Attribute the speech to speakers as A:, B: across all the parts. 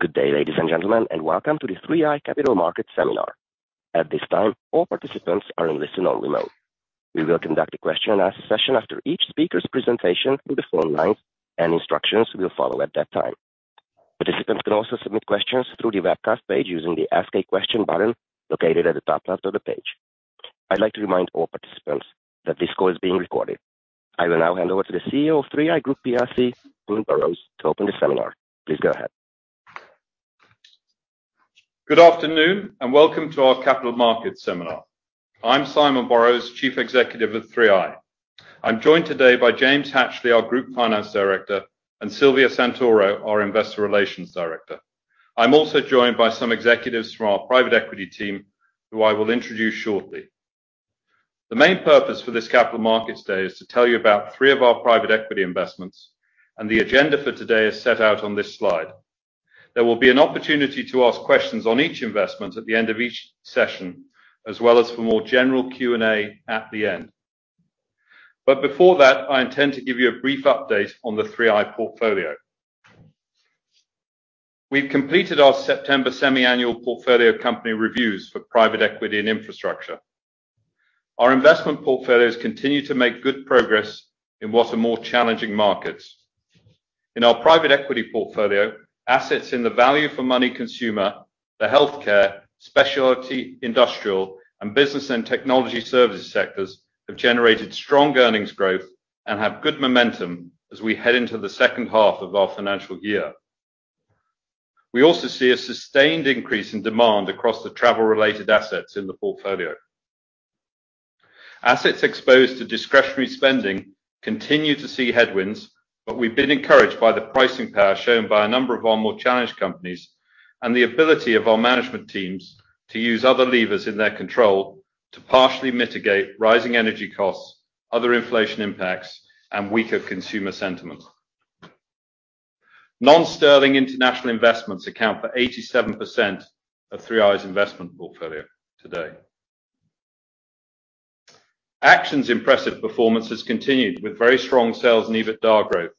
A: Good day, ladies and gentlemen, and welcome to the 3i Capital Market seminar. At this time, all participants are in listen-only mode. We will conduct a question and answer session after each speaker's presentation through the phone lines, and instructions will follow at that time. Participants can also submit questions through the webcast page using the Ask a Question button located at the top left of the page. I'd like to remind all participants that this call is being recorded. I will now hand over to the CEO of 3i Group plc, Simon Borrows, to open the seminar. Please go ahead.
B: Good afternoon, and welcome to our Capital Markets seminar. I'm Simon Borrows, Chief Executive of 3i. I'm joined today by James Hatchley, our Group Finance Director, and Silvia Santoro, our Investor Relations Director. I'm also joined by some executives from our private equity team, who I will introduce shortly. The main purpose for this Capital Markets Day is to tell you about three of our private equity investments, and the agenda for today is set out on this slide. There will be an opportunity to ask questions on each investment at the end of each session, as well as for more general Q&A at the end. Before that, I intend to give you a brief update on the 3i portfolio. We've completed our September semi-annual portfolio company reviews for private equity and infrastructure. Our investment portfolios continue to make good progress in what are more challenging markets. In our private equity portfolio, assets in the value for money consumer, the healthcare, specialty industrial, and business and technology services sectors have generated strong earnings growth and have good momentum as we head into the second half of our financial year. We also see a sustained increase in demand across the travel-related assets in the portfolio. Assets exposed to discretionary spending continue to see headwinds, but we've been encouraged by the pricing power shown by a number of our more challenged companies and the ability of our management teams to use other levers in their control to partially mitigate rising energy costs, other inflation impacts, and weaker consumer sentiment. Non-sterling international investments account for 87% of 3i's investment portfolio today. Action's impressive performance has continued with very strong sales and EBITDA growth.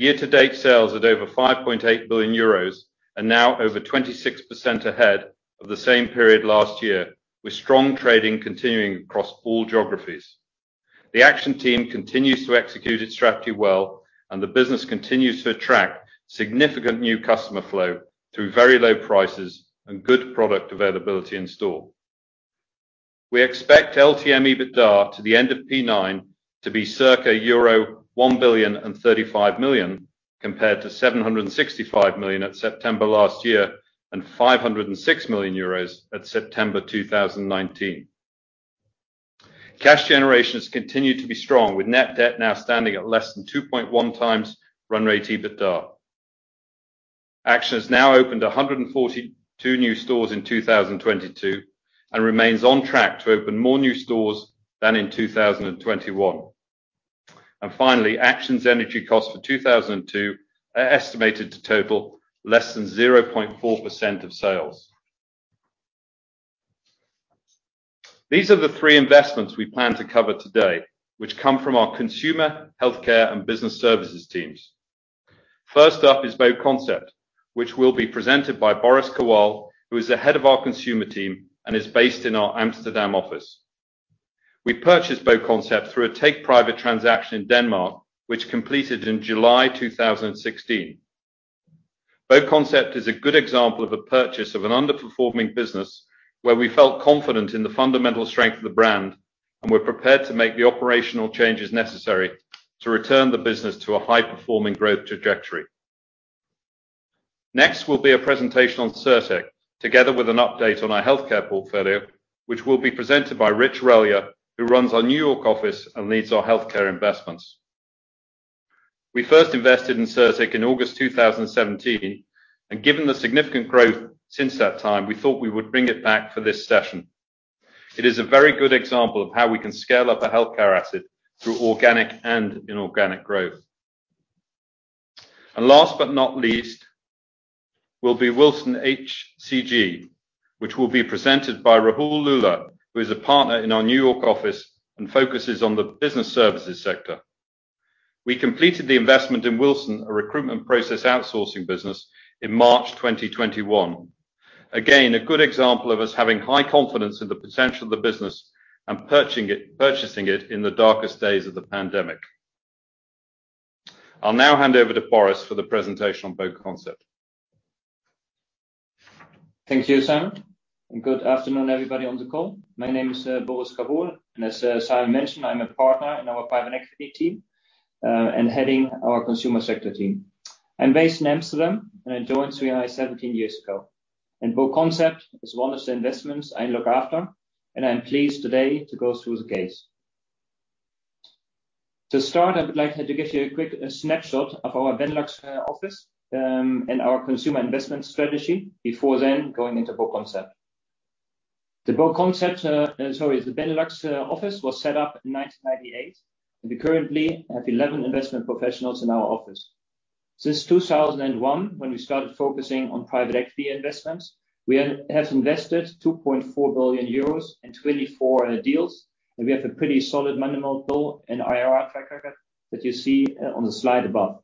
B: Year to date, sales at over 5.8 billion euros are now over 26% ahead of the same period last year, with strong trading continuing across all geographies. The Action team continues to execute its strategy well, and the business continues to attract significant new customer flow through very low prices and good product availability in store. We expect LTM EBITDA to the end of P9 to be circa euro 1.035 billion, compared to 765 million at September last year, and 506 million euros at September 2019. Cash generation has continued to be strong, with net debt now standing at less than 2.1x run rate EBITDA. Action has now opened 142 new stores in 2022 and remains on track to open more new stores than in 2021. Finally, Action's energy costs for 2022 are estimated to total less than 0.4% of sales. These are the three investments we plan to cover today, which come from our consumer, healthcare, and business services teams. First up is BoConcept, which will be presented by Boris Kawohl, who is the head of our consumer team and is based in our Amsterdam office. We purchased BoConcept through a take-private transaction in Denmark, which completed in July 2016. BoConcept is a good example of a purchase of an underperforming business where we felt confident in the fundamental strength of the brand and were prepared to make the operational changes necessary to return the business to a high-performing growth trajectory. Next will be a presentation on Cirtec, together with an update on our healthcare portfolio, which will be presented by Rich Relyea, who runs our New York office and leads our healthcare investments. We first invested in Cirtec in August 2017, and given the significant growth since that time, we thought we would bring it back for this session. It is a very good example of how we can scale up a healthcare asset through organic and inorganic growth. Last but not least will be WilsonHCG, which will be presented by Rahul Lulla, who is a partner in our New York office and focuses on the business services sector. We completed the investment in WilsonHCG, a recruitment process outsourcing business, in March 2021. Again, a good example of us having high confidence in the potential of the business and purchasing it in the darkest days of the pandemic. I'll now hand over to Boris for the presentation on BoConcept.
C: Thank you, Simon, and good afternoon, everybody on the call. My name is Boris Kawohl, and as Simon mentioned, I'm a partner in our private equity team and heading our consumer sector team. I'm based in Amsterdam, and I joined 3i 17 years ago. BoConcept is one of the investments I look after, and I am pleased today to go through the case. To start, I would like to give you a quick snapshot of our Benelux office and our consumer investment strategy before then going into BoConcept. The Benelux office was set up in 1998, and we currently have 11 investment professionals in our office. Since 2001, when we started focusing on private equity investments, we have invested 2.4 billion euros in 24 deals, and we have a pretty solid money multiple and IRR tracker that you see on the slide above.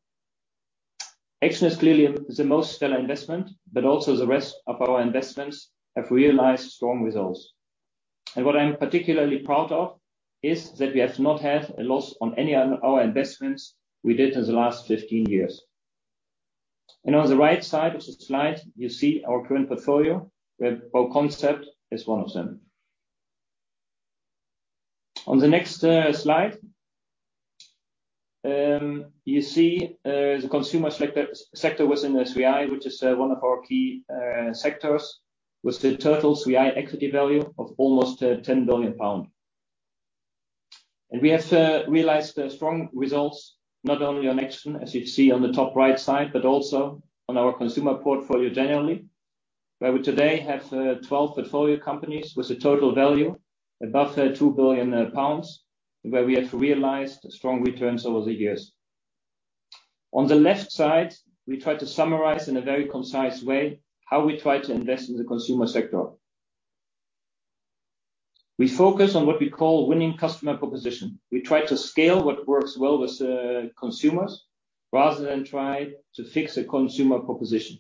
C: Action is clearly the most stellar investment, but also the rest of our investments have realized strong results. What I'm particularly proud of is that we have not had a loss on any of our investments we did in the last 15 years. On the right side of the slide, you see our current portfolio, where BoConcept is one of them. On the next slide, you see the consumer sector within SVI, which is one of our key sectors, with the total SVI equity value of almost 10 billion pounds. We have realized strong results not only on Nexton, as you see on the top right side, but also on our consumer portfolio generally. Where we today have 12 portfolio companies with a total value above 2 billion pounds, and where we have realized strong returns over the years. On the left side, we try to summarize in a very concise way how we try to invest in the consumer sector. We focus on what we call winning customer proposition. We try to scale what works well with consumers rather than try to fix a consumer proposition.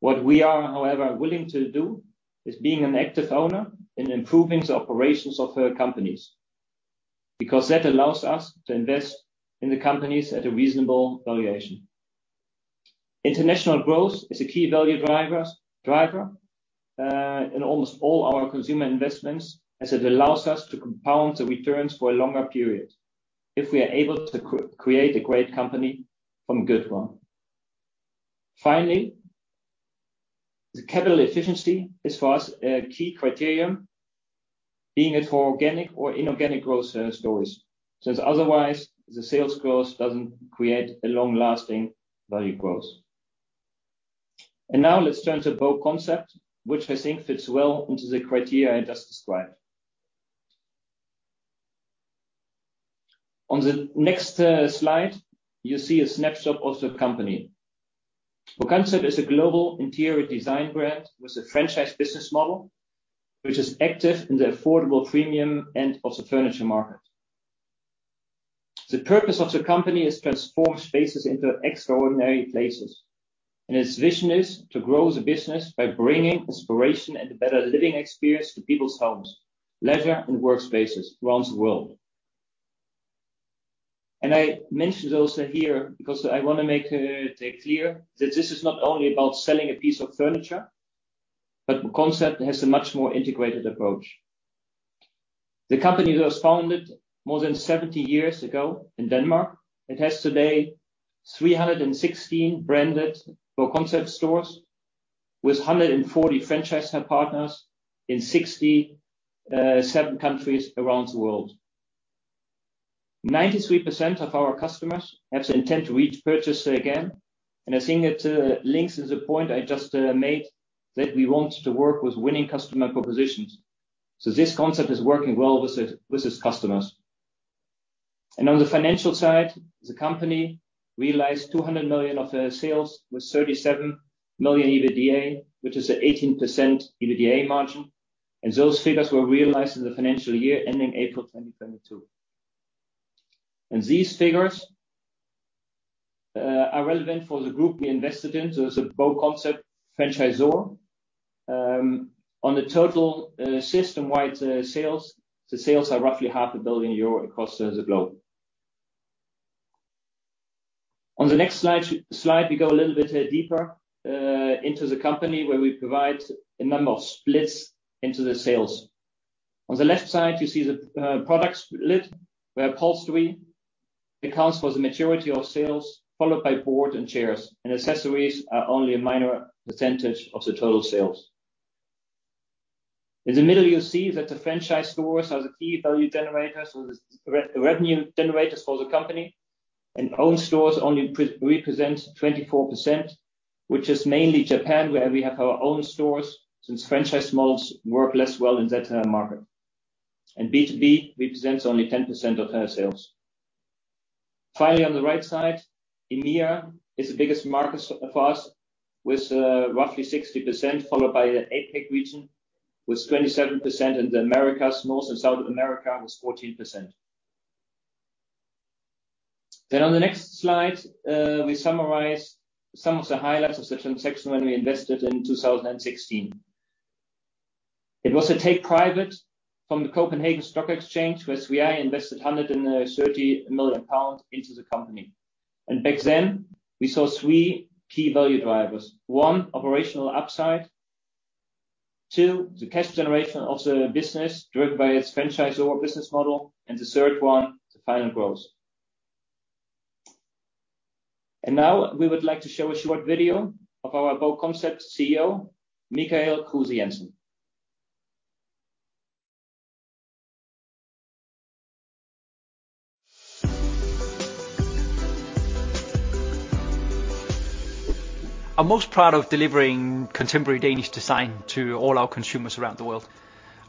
C: What we are, however, willing to do is being an active owner in improving the operations of our companies, because that allows us to invest in the companies at a reasonable valuation. International growth is a key value driver in almost all our consumer investments as it allows us to compound the returns for a longer period if we are able to create a great company from a good one. Finally, the capital efficiency is for us a key criterion being it for organic or inorganic growth stories. Since otherwise the sales growth doesn't create a long-lasting value growth. Now let's turn to BoConcept, which I think fits well into the criteria I just described. On the next slide, you see a snapshot of the company. BoConcept is a global interior design brand with a franchise business model, which is active in the affordable premium end of the furniture market. The purpose of the company is to transform spaces into extraordinary places, and its vision is to grow the business by bringing inspiration and a better living experience to people's homes, leisure, and workspaces around the world. I mentioned also here, because I wanna make that clear that this is not only about selling a piece of furniture, but BoConcept has a much more integrated approach. The company was founded more than 70 years ago in Denmark. It has today 316 branded BoConcept stores with 140 franchise partners in 67 countries around the world. 93% of our customers have the intent to repurchase again. I think it links to the point I just made that we want to work with winning customer propositions. This concept is working well with its customers. On the financial side, the company realized 200 million of sales with 37 million EBITDA, which is 18% EBITDA margin. Those figures were realized in the financial year ending April 2022. These figures are relevant for the group we invested in, so it's a BoConcept franchisor. On the total system-wide sales, the sales are roughly half a billion EUR across the globe. On the next slide, we go a little bit deeper into the company where we provide a number of splits into the sales. On the left side, you see the products split, where upholstery accounts for the majority of sales, followed by board and chairs, and accessories are only a minor percentage of the total sales. In the middle, you see that the franchise stores are the key value generators or the revenue generators for the company and owned stores only represent 24%, which is mainly Japan, where we have our own stores since franchise models work less well in that market. B2B represents only 10% of our sales. Finally, on the right side, EMEA is the biggest market for us with roughly 60%, followed by the APAC region with 27%, and the Americas, most in South America, was 14%. On the next slide, we summarize some of the highlights of the transaction when we invested in 2016. It was a take private from the Copenhagen Stock Exchange, where SVI invested 130 million pounds into the company. Back then, we saw three key value drivers. One, operational upside. Two, the cash generation of the business driven by its franchisor business model, and the third one, the financial growth. Now we would like to show a short video of our BoConcept CEO, Mikael Kruse Jensen.
D: I'm most proud of delivering contemporary Danish design to all our consumers around the world.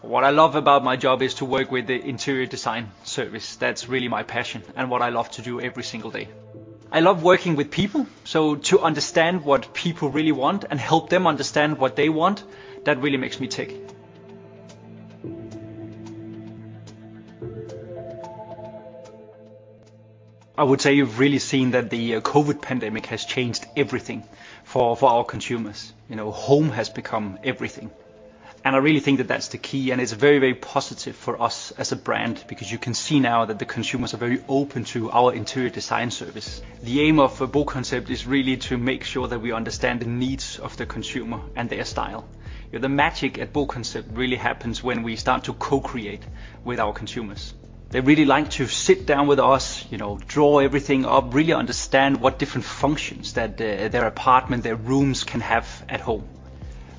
D: What I love about my job is to work with the interior design service. That's really my passion and what I love to do every single day. I love working with people, so to understand what people really want and help them understand what they want, that really makes me tick. I would say you've really seen that the COVID pandemic has changed everything for our consumers. You know, home has become everything. I really think that that's the key, and it's very, very positive for us as a brand because you can see now that the consumers are very open to our interior design service. The aim of BoConcept is really to make sure that we understand the needs of the consumer and their style. The magic at BoConcept really happens when we start to co-create with our consumers. They really like to sit down with us, you know, draw everything up, really understand what different functions that their apartment, their rooms can have at home.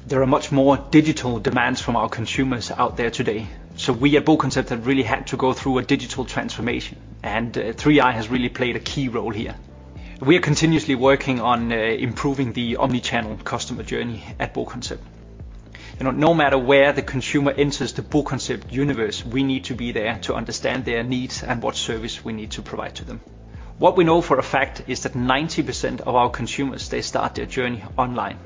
D: There are much more digital demands from our consumers out there today. We at BoConcept have really had to go through a digital transformation, and 3i has really played a key role here. We are continuously working on improving the omni-channel customer journey at BoConcept. You know, no matter where the consumer enters the BoConcept universe, we need to be there to understand their needs and what service we need to provide to them. What we know for a fact is that 90% of our consumers, they start their journey online.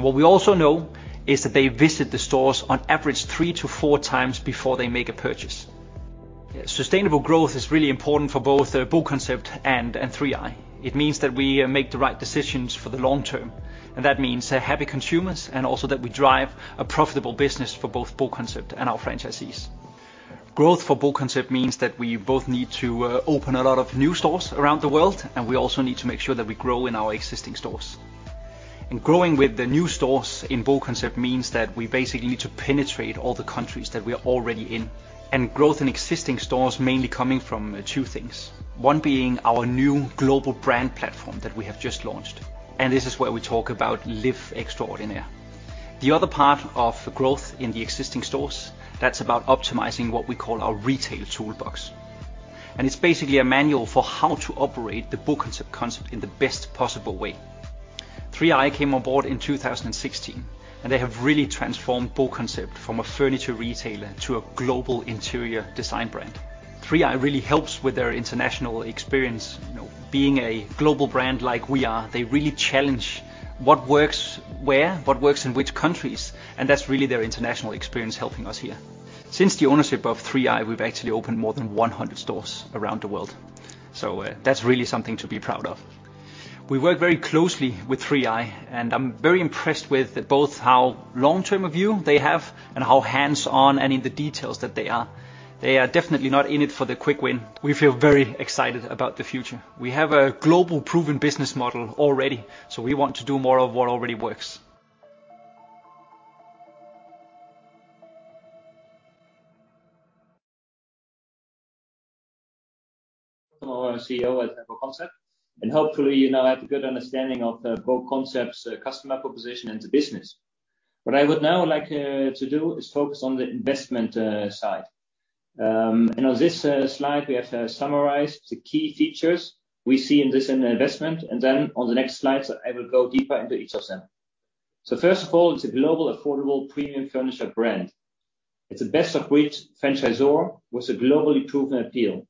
D: What we also know is that they visit the stores on average three to four times before they make a purchase. Sustainable growth is really important for both BoConcept and 3i. It means that we make the right decisions for the long-term, and that means happy consumers, and also that we drive a profitable business for both BoConcept and our franchisees. Growth for BoConcept means that we both need to open a lot of new stores around the world, and we also need to make sure that we grow in our existing stores. Growing with the new stores in BoConcept means that we basically need to penetrate all the countries that we are already in. Growth in existing stores mainly coming from two things. One being our new global brand platform that we have just launched, and this is where we talk about Live Extraordinary. The other part of growth in the existing stores, that's about optimizing what we call our retail toolbox. It's basically a manual for how to operate the BoConcept concept in the best possible way. 3i came on board in 2016, and they have really transformed BoConcept from a furniture retailer to a global interior design brand. 3i really helps with their international experience. You know, being a global brand like we are, they really challenge what works where, what works in which countries, and that's really their international experience helping us here. Since the ownership of 3i, we've actually opened more than 100 stores around the world. That's really something to be proud of. We work very closely with 3i, and I'm very impressed with both how long-term a view they have and how hands-on and in the details that they are. They are definitely not in it for the quick win. We feel very excited about the future. We have a global proven business model already, so we want to do more of what already works.
C: Our CEO at BoConcept, and hopefully you now have a good understanding of BoConcept's customer proposition and the business. What I would now like to do is focus on the investment side. On this slide, we have summarized the key features we see in this investment, and then on the next slides, I will go deeper into each of them. First of all, it's a global affordable premium furniture brand. It's a best-of-breed franchisor with a globally proven appeal.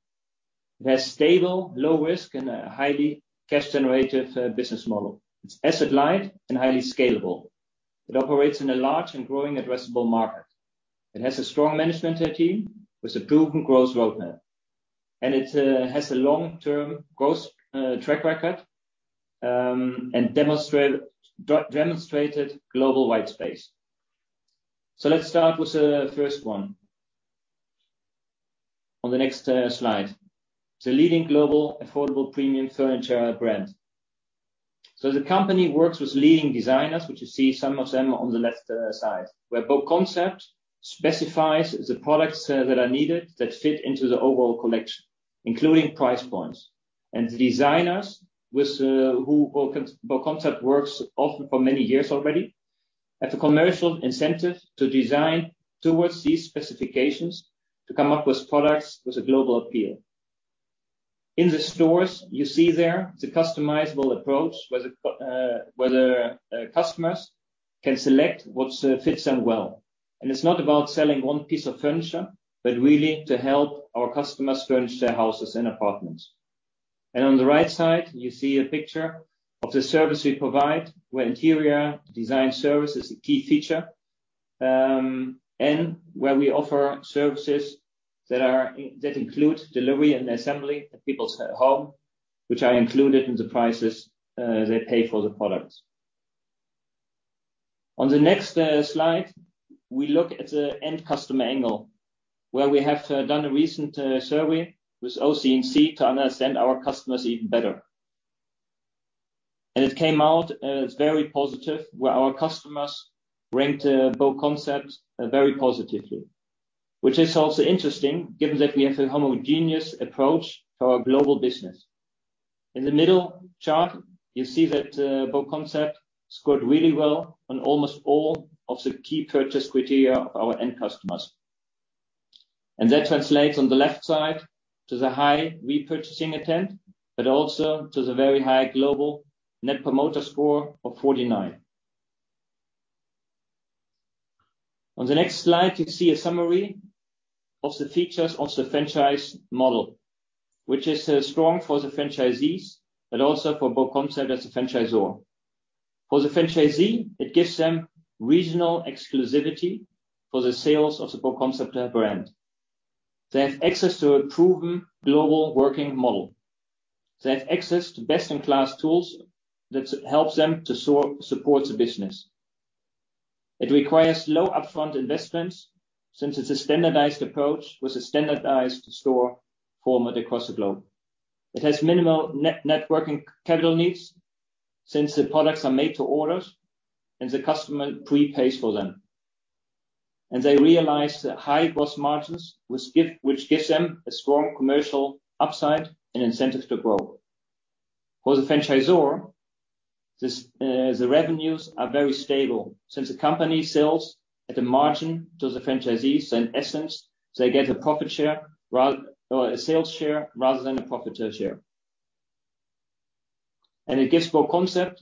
C: It has stable, low risk, and a highly cash generative business model. It's asset light and highly scalable. It operates in a large and growing addressable market. It has a strong management team with a proven growth roadmap, and it has a long-term growth track record, and demonstrated global white space. Let's start with the first one. On the next slide. The leading global affordable premium furniture brand. The company works with leading designers, which you see some of them on the left side, where BoConcept specifies the products that are needed that fit into the overall collection, including price points. The designers with who BoConcept works often for many years already have a commercial incentive to design towards these specifications to come up with products with a global appeal. In the stores you see there, the customizable approach, where the customers can select what fits them well. It's not about selling one piece of furniture, but really to help our customers furnish their houses and apartments. On the right side, you see a picture of the service we provide, where interior design service is a key feature, and where we offer services that include delivery and assembly at people's home, which are included in the prices they pay for the products. On the next slide, we look at the end customer angle, where we have done a recent survey with OC&C to understand our customers even better. It came out as very positive, where our customers ranked BoConcept very positively, which is also interesting given that we have a homogeneous approach for our global business. In the middle chart, you see that BoConcept scored really well on almost all of the key purchase criteria of our end customers. That translates on the left side to the high repurchasing intent, but also to the very high global net promoter score of 49. On the next slide, you see a summary of the features of the franchise model, which is strong for the franchisees, but also for BoConcept as a franchisor. For the franchisee, it gives them regional exclusivity for the sales of the BoConcept brand. They have access to a proven global working model. They have access to best in class tools that helps them to support the business. It requires low upfront investments since it's a standardized approach with a standardized store format across the globe. It has minimal net working capital needs since the products are made to orders and the customer prepays for them. They realize the high gross margins, which gives them a strong commercial upside and incentive to grow. For the franchisor, this, the revenues are very stable since the company sells at the margin to the franchisees. In essence, they get a profit share or a sales share rather than a profit share. It gives BoConcept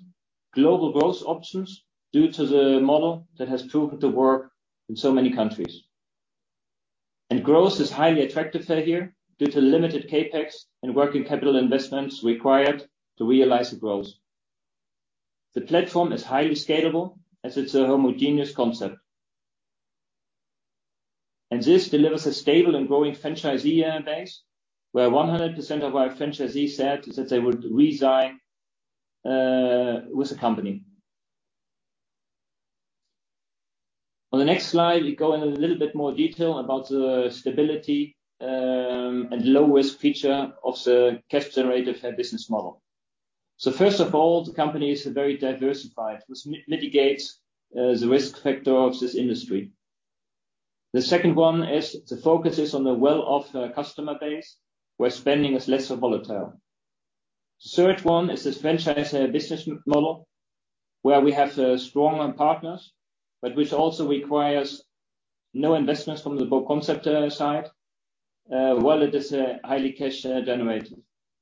C: global growth options due to the model that has proven to work in so many countries. Growth is highly attractive here due to limited CapEx and working capital investments required to realize the growth. The platform is highly scalable as it's a homogeneous concept. This delivers a stable and growing franchisee base, where 100% of our franchisees said they would resign with the company. On the next slide, we go in a little bit more detail about the stability and low risk feature of the cash generative business model. First of all, the company is very diversified, which mitigates the risk factor of this industry. The second one is the focus is on the wealth of customer base, where spending is less volatile. The third one is this franchise business model, where we have the strong partners, but which also requires no investments from the BoConcept side while it is highly cash generative.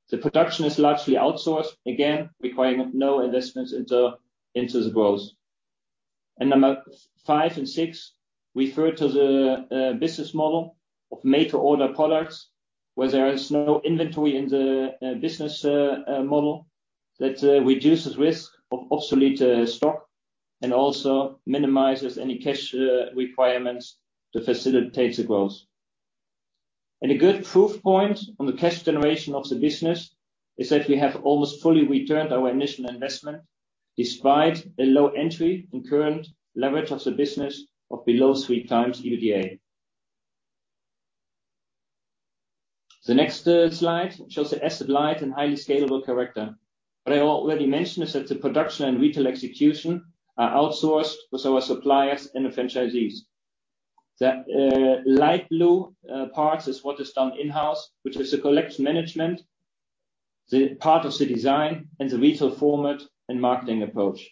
C: The production is largely outsourced, again, requiring no investments into the growth number five and six refer to the business model of made to order products, where there is no inventory in the business model. That reduces risk of obsolete stock and also minimizes any cash requirements to facilitate the growth. A good proof point on the cash generation of the business is that we have almost fully returned our initial investment despite a low entry and current leverage of the business of below 3x EBITDA. The next slide shows the asset light and highly scalable character. What I already mentioned is that the production and retail execution are outsourced with our suppliers and the franchisees. The light blue parts is what is done in-house, which is the collection management, the part of the design and the retail format and marketing approach.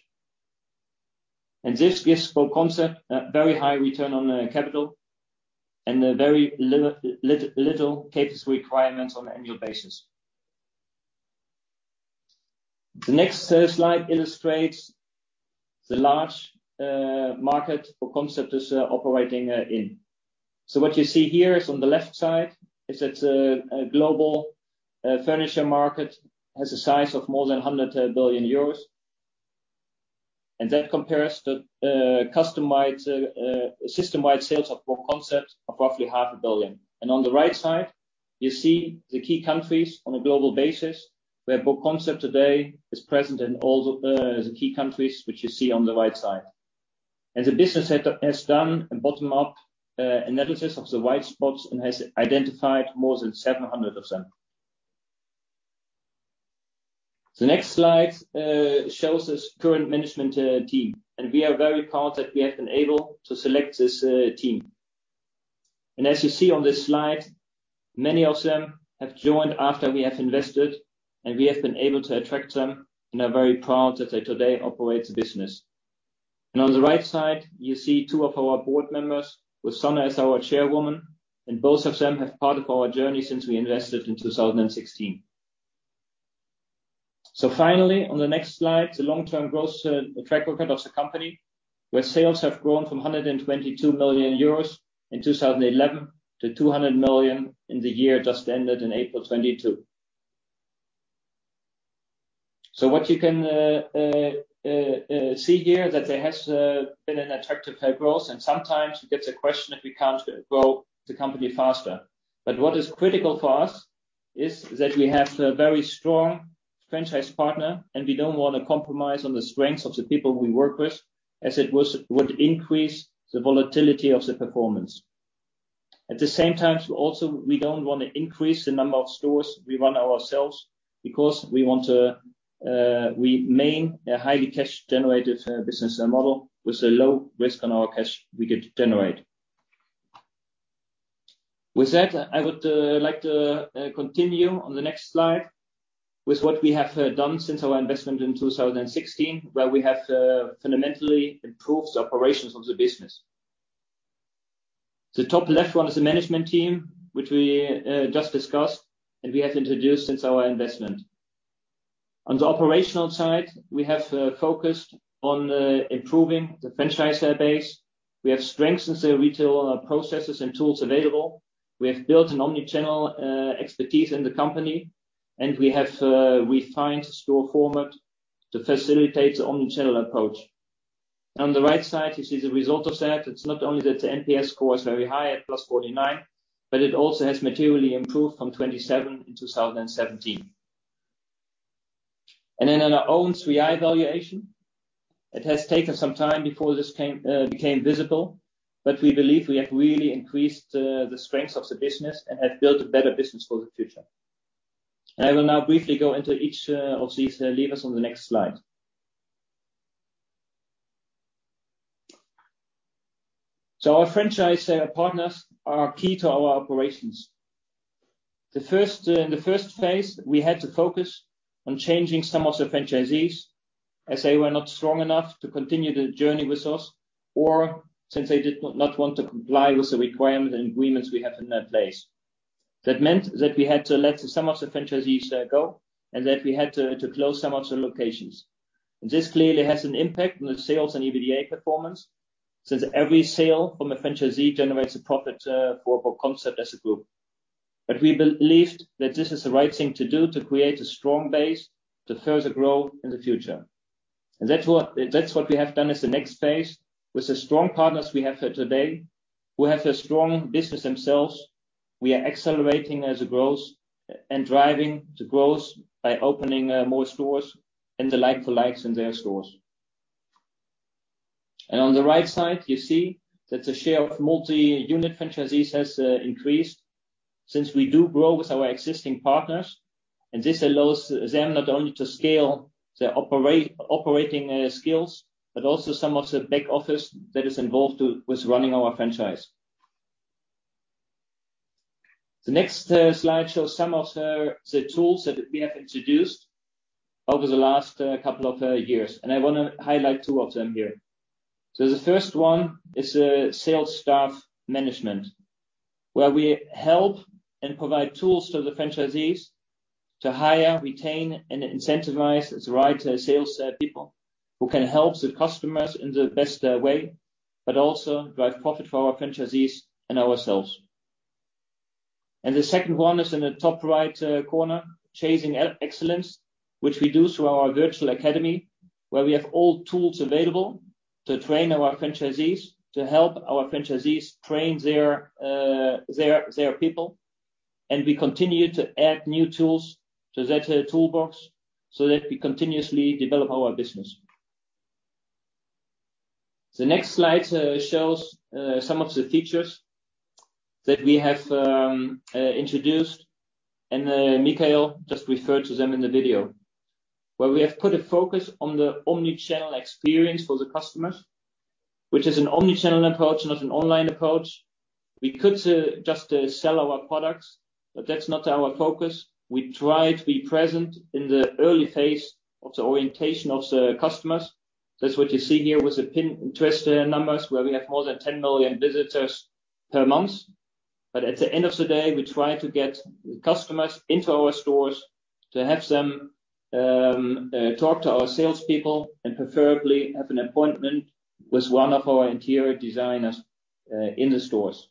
C: This gives BoConcept a very high return on capital and a very little CapEx requirements on an annual basis. The next slide illustrates the large market BoConcept is operating in. What you see here is on the left side, a global furniture market has a size of more than 100 billion euros. That compares to customized system-wide sales of BoConcept of roughly half a billion. On the right side, you see the key countries on a global basis, where BoConcept today is present in all the key countries which you see on the right side. The business has done a bottom up analysis of the white spots and has identified more than 700 of them. The next slide shows us current management team, and we are very proud that we have been able to select this team. As you see on this slide, many of them have joined after we have invested, and we have been able to attract them and are very proud that they today operate the business. On the right side, you see two of our board members with Sanna as our Chairwoman, and both of them have part of our journey since we invested in 2016. Finally, on the next slide, the long-term growth track record of the company, where sales have grown from 122 million euros in 2011 to 200 million in the year just ended in April 2022. What you can see here that there has been an attractive high growth and sometimes we get a question if we can't grow the company faster. What is critical for us is that we have a very strong franchise partner, and we don't wanna compromise on the strength of the people we work with, would increase the volatility of the performance. At the same time, we also don't wanna increase the number of stores we run ourselves because we want to remain a highly cash generative business model with a low risk on our cash we could generate. With that, I would like to continue on the next slide with what we have done since our investment in 2016, where we have fundamentally improved the operations of the business. The top left one is the management team, which we just discussed and we have introduced since our investment. On the operational side, we have focused on improving the franchise base. We have strengthened the retail processes and tools available. We have built an omni-channel expertise in the company, and we have refined store format to facilitate the omni-channel approach. On the right side, you see the result of that. It's not only that the NPS score is very high at +49, but it also has materially improved from 27 in 2017. In our own 3i valuation, it has taken some time before this became visible, but we believe we have really increased the strengths of the business and have built a better business for the future. I will now briefly go into each of these levers on the next slide. Our franchise partners are key to our operations. In the first phase, we had to focus on changing some of the franchisees as they were not strong enough to continue the journey with us, or since they did not want to comply with the requirements and agreements we have in that place. That meant that we had to let some of the franchisees go and that we had to close some of the locations. This clearly has an impact on the sales and EBITDA performance since every sale from a franchisee generates a profit for BoConcept as a group. We believed that this is the right thing to do to create a strong base to further grow in the future. That's what we have done as the next phase. With the strong partners we have here today, who have a strong business themselves, we are accelerating as a growth and driving the growth by opening more stores and the like for likes in their stores. On the right side, you see that the share of multi-unit franchisees has increased since we do grow with our existing partners. This allows them not only to scale their operating skills, but also some of the back office that is involved with running our franchise. The next slide shows some of the tools that we have introduced over the last couple of years. I wanna highlight two of them here. The first one is sales staff management, where we help and provide tools to the franchisees to hire, retain, and incentivize the right sales people who can help the customers in the best way, but also drive profit for our franchisees and ourselves. The second one is in the top right corner, chasing excellence, which we do through our virtual academy, where we have all tools available to train our franchisees, to help our franchisees train their people. We continue to add new tools to that toolbox so that we continuously develop our business. The next slide shows some of the features that we have introduced, and Mikael just referred to them in the video, where we have put a focus on the omni-channel experience for the customers, which is an omni-channel approach, not an online approach. We could just sell our products, but that's not our focus. We try to be present in the early phase of the orientation of the customers. That's what you see here with the Pinterest numbers, where we have more than 10 million visitors per month. At the end of the day, we try to get customers into our stores to have them talk to our salespeople and preferably have an appointment with one of our interior designers in the stores.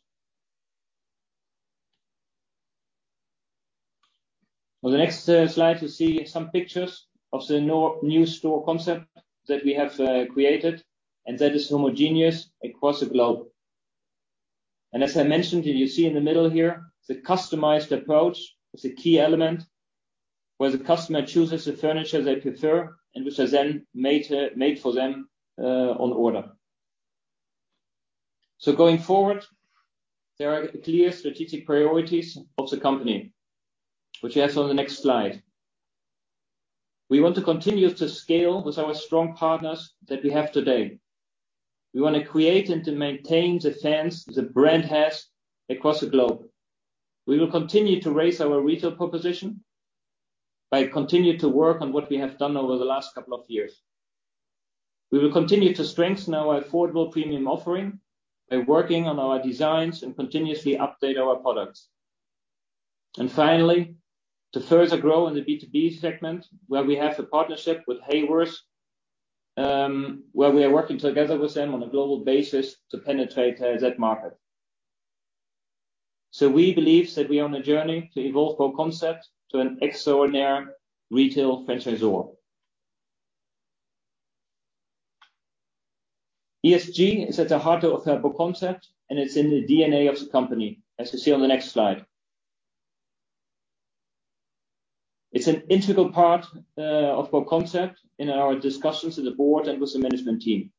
C: On the next slide, you see some pictures of the new store concept that we have created, and that is homogeneous across the globe. As I mentioned, you see in the middle here, the customized approach is a key element where the customer chooses the furniture they prefer and which is then made for them on order. Going forward, there are clear strategic priorities of the company, which we have on the next slide. We want to continue to scale with our strong partners that we have today. We wanna create and to maintain the fans the brand has across the globe. We will continue to raise our retail proposition by continue to work on what we have done over the last couple of years. We will continue to strengthen our affordable premium offering by working on our designs and continuously update our products. Finally, to further grow in the B2B segment, where we have the partnership with Haworth, where we are working together with them on a global basis to penetrate that market. We believe that we are on a journey to evolve BoConcept to an extraordinary retail franchisor. ESG is at the heart of BoConcept, and it's in the DNA of the company, as you see on the next slide. It's an integral part of BoConcept in our discussions with the board and with the management team.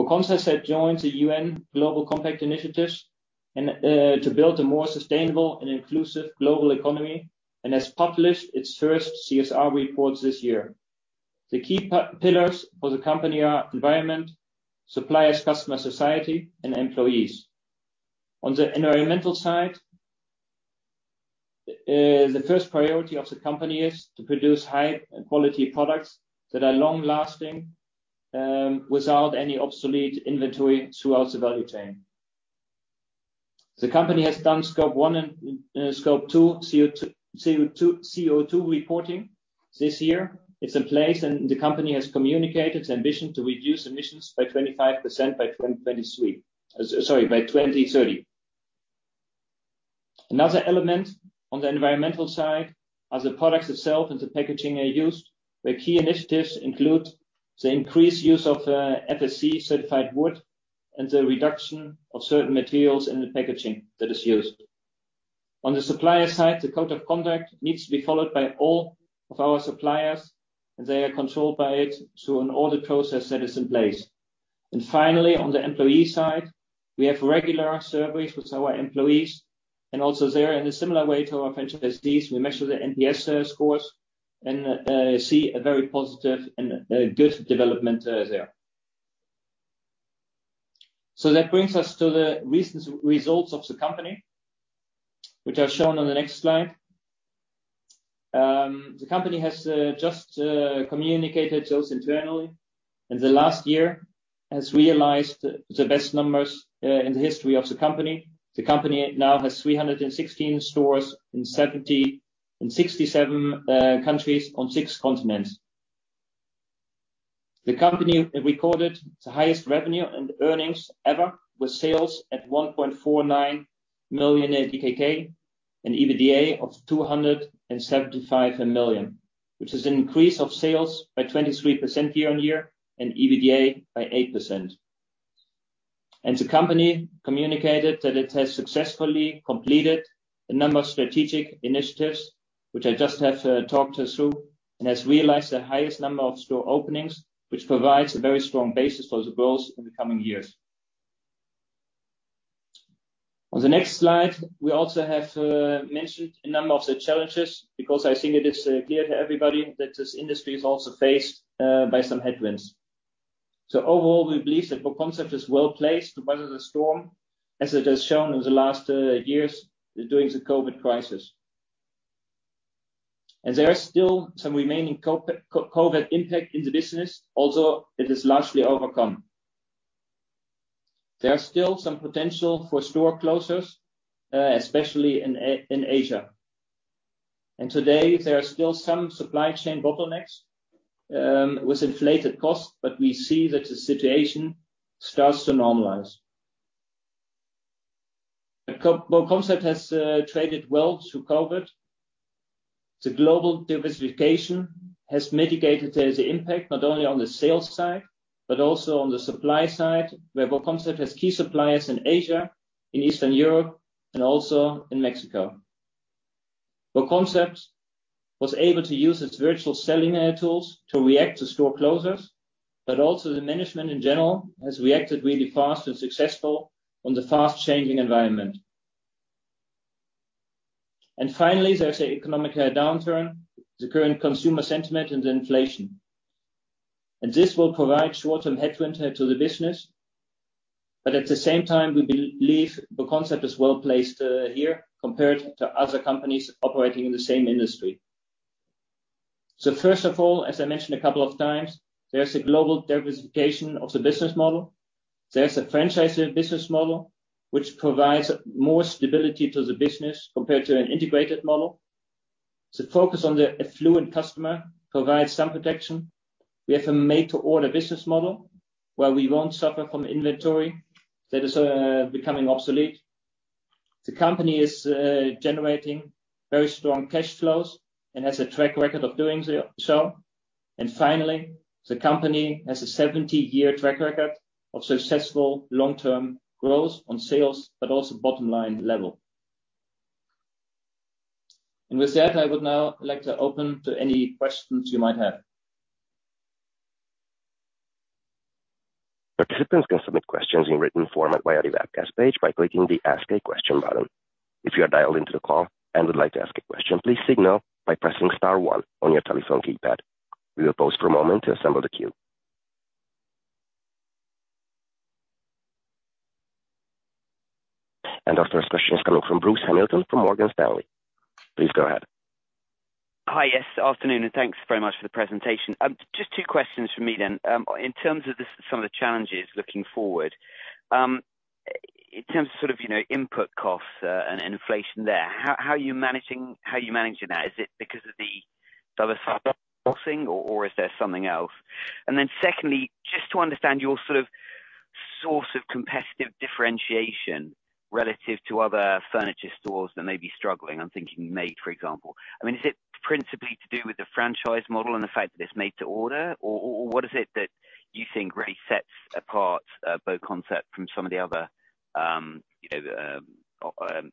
C: BoConcept has joined the UN Global Compact to build a more sustainable and inclusive global economy and has published its first CSR report this year. The key pillars for the company are environment, suppliers, customer, society, and employees. On the environmental side, the first priority of the company is to produce high quality products that are long-lasting, without any obsolete inventory throughout the value chain. The company has done Scope 1 and Scope 2 CO2 reporting this year. It's in place, and the company has communicated its ambition to reduce emissions by 25% by 2030. Another element on the environmental side are the products itself and the packaging are used, where key initiatives include the increased use of FSC certified wood and the reduction of certain materials in the packaging that is used. On the supplier side, the code of conduct needs to be followed by all of our suppliers. They are controlled by it through an audit process that is in place. Finally, on the employee side, we have regular surveys with our employees, and also there, in a similar way to our franchisees, we measure the NPS scores and see a very positive and a good development there. That brings us to the recent results of the company, which are shown on the next slide. The company has just communicated those internally, and the last year has realized the best numbers in the history of the company. The company now has 316 stores in 67 countries on six continents. The company recorded the highest revenue and earnings ever, with sales at 1.49 million DKK and EBITDA of 275 million, which is an increase of sales by 23% year-on-year and EBITDA by 8%. The company communicated that it has successfully completed a number of strategic initiatives, which I just have talked us through, and has realized the highest number of store openings, which provides a very strong basis for the growth in the coming years. On the next slide, we also have mentioned a number of the challenges because I think it is clear to everybody that this industry is also faced by some headwinds. Overall, we believe that BoConcept is well-placed to weather the storm, as it has shown in the last years during the COVID crisis. There are still some remaining COVID impact in the business, although it is largely overcome. There are still some potential for store closures, especially in Asia. Today, there are still some supply chain bottlenecks with inflated costs, but we see that the situation starts to normalize. BoConcept has traded well through COVID. The global diversification has mitigated the impact, not only on the sales side, but also on the supply side, where BoConcept has key suppliers in Asia, in Eastern Europe, and also in Mexico. BoConcept was able to use its virtual selling tools to react to store closures, but also the management in general has reacted really fast and successful on the fast-changing environment. Finally, there's an economic downturn, the current consumer sentiment and the inflation. This will provide short-term headwind to the business. But at the same time, we believe BoConcept is well-placed here compared to other companies operating in the same industry. First of all, as I mentioned a couple of times, there's a global diversification of the business model. There's a franchisor business model, which provides more stability to the business compared to an integrated model. The focus on the affluent customer provides some protection. We have a made-to-order business model, where we won't suffer from inventory that is becoming obsolete. The company is generating very strong cash flows and has a track record of doing so. Finally, the company has a 70-year track record of successful long-term growth on sales, but also bottom line level. With that, I would now like to open to any questions you might have.
A: Participants can submit questions in written format via the webcast page by clicking the Ask a Question button. If you are dialed into the call and would like to ask a question, please signal by pressing star one on your telephone keypad. We will pause for a moment to assemble the queue. Our first question is coming from Bruce Hamilton from Morgan Stanley. Please go ahead.
E: Hi, yes. Afternoon, and thanks very much for the presentation. Just two questions from me then. In terms of some of the challenges looking forward, in terms of sort of, you know, input costs, and inflation there, how are you managing that? Is it because of the diversified costing or is there something else? Secondly, just to understand your sort of source of competitive differentiation relative to other furniture stores that may be struggling. I'm thinking Made, for example. I mean, is it principally to do with the franchise model and the fact that it's made to order? Or what is it that you think really sets apart BoConcept from some of the other, you know,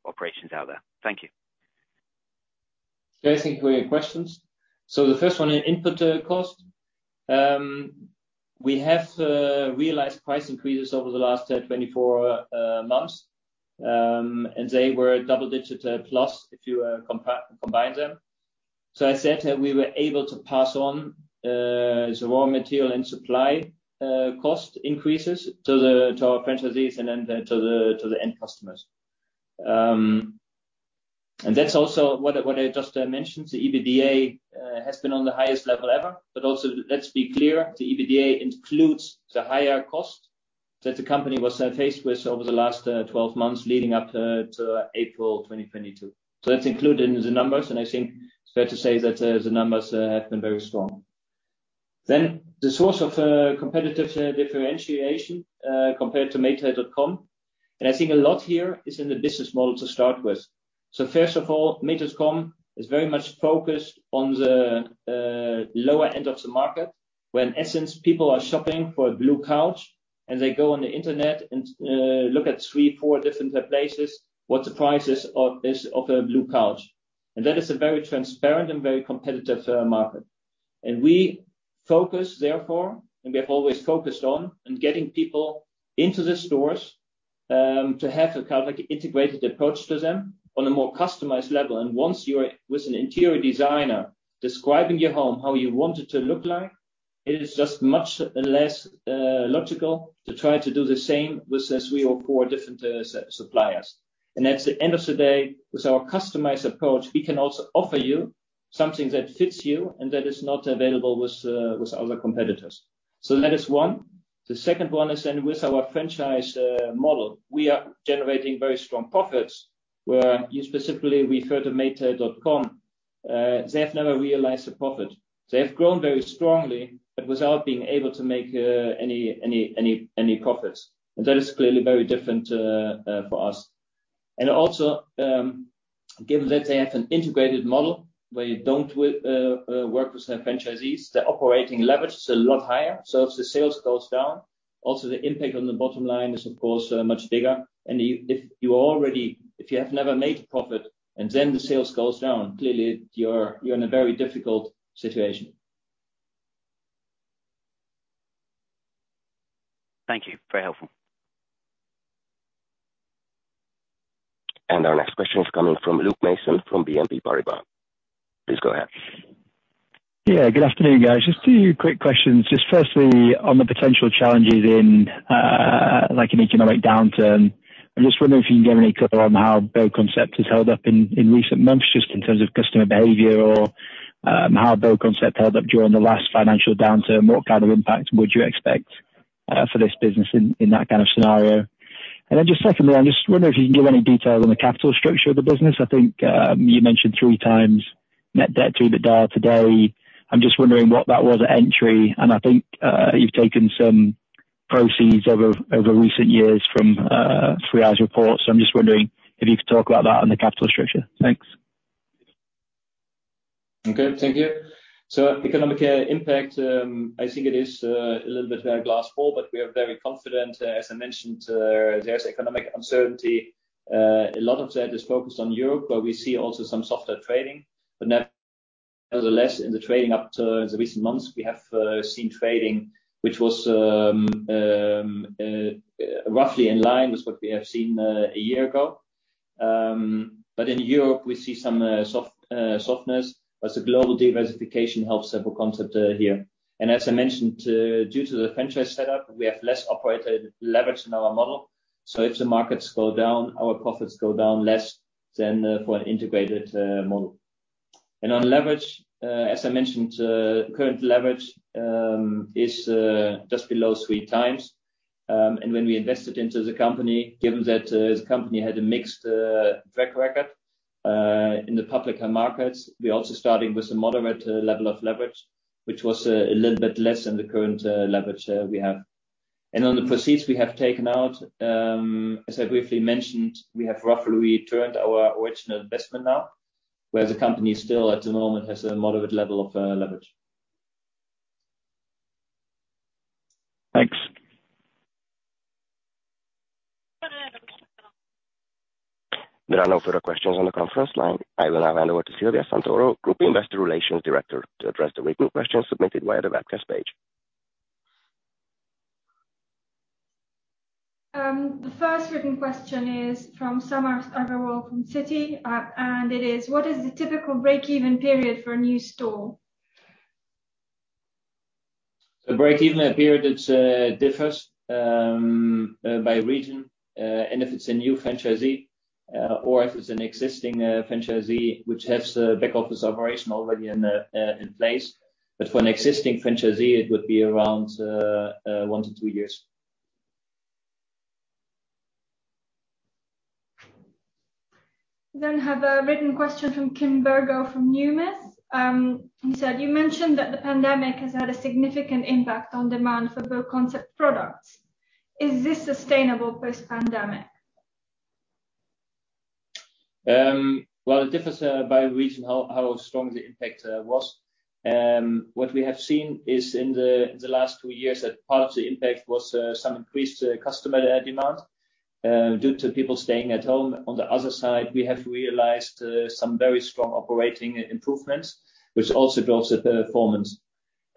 E: operations out there? Thank you.
C: Thanks, including questions. The first one is input cost. We have realized price increases over the last 24 months. And they were double-digit plus if you combine them. I said that we were able to pass on the raw material and supply cost increases to our franchisees and then to the end customers. And that's also what I just mentioned. The EBITDA has been on the highest level ever. Also, let's be clear, the EBITDA includes the higher cost that the company was faced with over the last 12 months leading up to April 2022. That's included in the numbers, and I think it's fair to say that the numbers have been very strong. The source of competitive differentiation compared to Made.com, and I think a lot here is in the business model to start with. First of all, Made.com is very much focused on the lower end of the market, where in essence, people are shopping for a blue couch and they go on the internet and look at three, four different places, what the price is of a blue couch. That is a very transparent and very competitive market. We focus, therefore, and we have always focused on getting people into the stores, to have a kind of like integrated approach to them on a more customized level. Once you're with an interior designer describing your home how you want it to look like, it is just much less logical to try to do the same with, as we offer different suppliers. At the end of the day, with our customized approach, we can also offer you something that fits you and that is not available with other competitors. That is one. The second one is then with our franchise model. We are generating very strong profits. Where you specifically refer to Made.com, they have never realized a profit. They have grown very strongly, but without being able to make any profits. That is clearly very different for us. Given that they have an integrated model where you don't work with the franchisees, the operating leverage is a lot higher. If the sales goes down, also the impact on the bottom line is of course much bigger. If you have never made a profit and then the sales goes down, clearly you're in a very difficult situation.
E: Thank you. Very helpful.
A: Our next question is coming from Luke Mason, from BNP Paribas. Please go ahead.
F: Yeah, good afternoon, guys. Just two quick questions. Just firstly, on the potential challenges in like an economic downturn, I'm just wondering if you can give any color on how BoConcept has held up in recent months just in terms of customer behavior or how BoConcept held up during the last financial downturn. What kind of impact would you expect for this business in that kind of scenario? And then just secondly, I'm just wondering if you can give any detail on the capital structure of the business. I think you mentioned 3x net debt to EBITDA today. I'm just wondering what that was at entry, and I think you've taken some proceeds over recent years from 3i Group reports. I'm just wondering if you could talk about that and the capital structure. Thanks.
C: Okay. Thank you. Economic impact, I think it is a little bit very glass half full, but we are very confident. As I mentioned, there's economic uncertainty. A lot of that is focused on Europe, but we see also some softer trading. Nevertheless in the trading up to the recent months, we have seen trading which was roughly in line with what we have seen a year ago. In Europe, we see some softness as the global diversification helps BoConcept here. As I mentioned, due to the franchise setup, we have less operational leverage in our model. If the markets go down, our profits go down less than for an integrated model. On leverage, as I mentioned, current leverage is just below 3x. When we invested into the company, given that the company had a mixed track record in the public markets, we also starting with a moderate level of leverage, which was a little bit less than the current leverage we have. On the proceeds we have taken out, as I briefly mentioned, we have roughly returned our original investment now, where the company still at the moment has a moderate level of leverage.
F: Thanks.
A: There are no further questions on the conference line. I will now hand over to Silvia Santoro, Group Investor Relations Director, to address the written questions submitted via the webcast page.
G: The first written question is from Samarth Agrawal from Citi, and it is, "What is the typical break-even period for a new store?
C: The break-even period differs by region and if it's a new franchisee or if it's an existing franchisee which has the back-office operation already in place. For an existing franchisee, it would be around one to two years.
G: I have a written question from Kim Burgo from Numis. He said, "You mentioned that the pandemic has had a significant impact on demand for BoConcept products. Is this sustainable post-pandemic?
C: Well, it differs by region how strong the impact was. What we have seen is in the last two years that part of the impact was some increased customer demand due to people staying at home. On the other side, we have realized some very strong operating improvements which also drives the performance.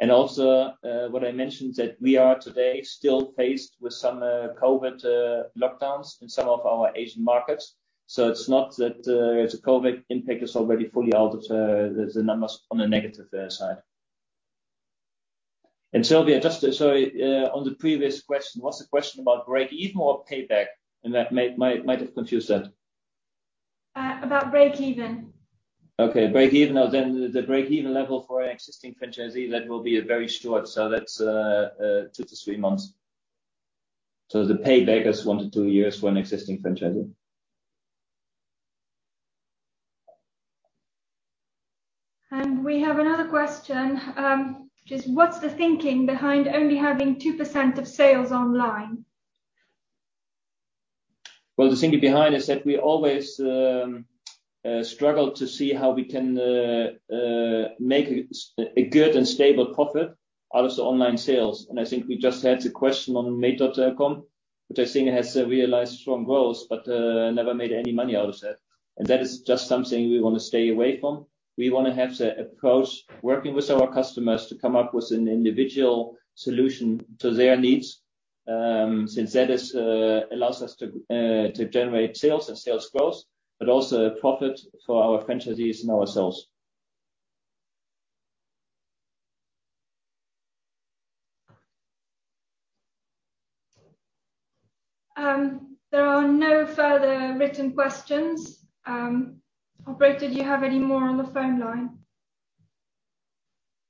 C: Also, what I mentioned that we are today still faced with some COVID lockdowns in some of our Asian markets. It's not that the COVID impact is already fully out of the numbers on the negative side. Silvia, sorry, on the previous question, was the question about break-even or payback? That might have confused that.
G: About break-even.
C: Okay, break-even. The break-even level for an existing franchisee, that will be a very short. That's two to three months. The payback is one to two years for an existing franchisee.
G: We have another question. Just what's the thinking behind only having 2% of sales online?
C: Well, the thinking behind is that we always struggle to see how we can make a good and stable profit out of the online sales. I think we just had the question on Made.com, which I think has realized strong growth but never made any money out of that. That is just something we wanna stay away from. We wanna have the approach working with our customers to come up with an individual solution to their needs, since that is allows us to generate sales and sales growth, but also profit for our franchisees and ourselves.
G: There are no further written questions. Operator, do you have any more on the phone line?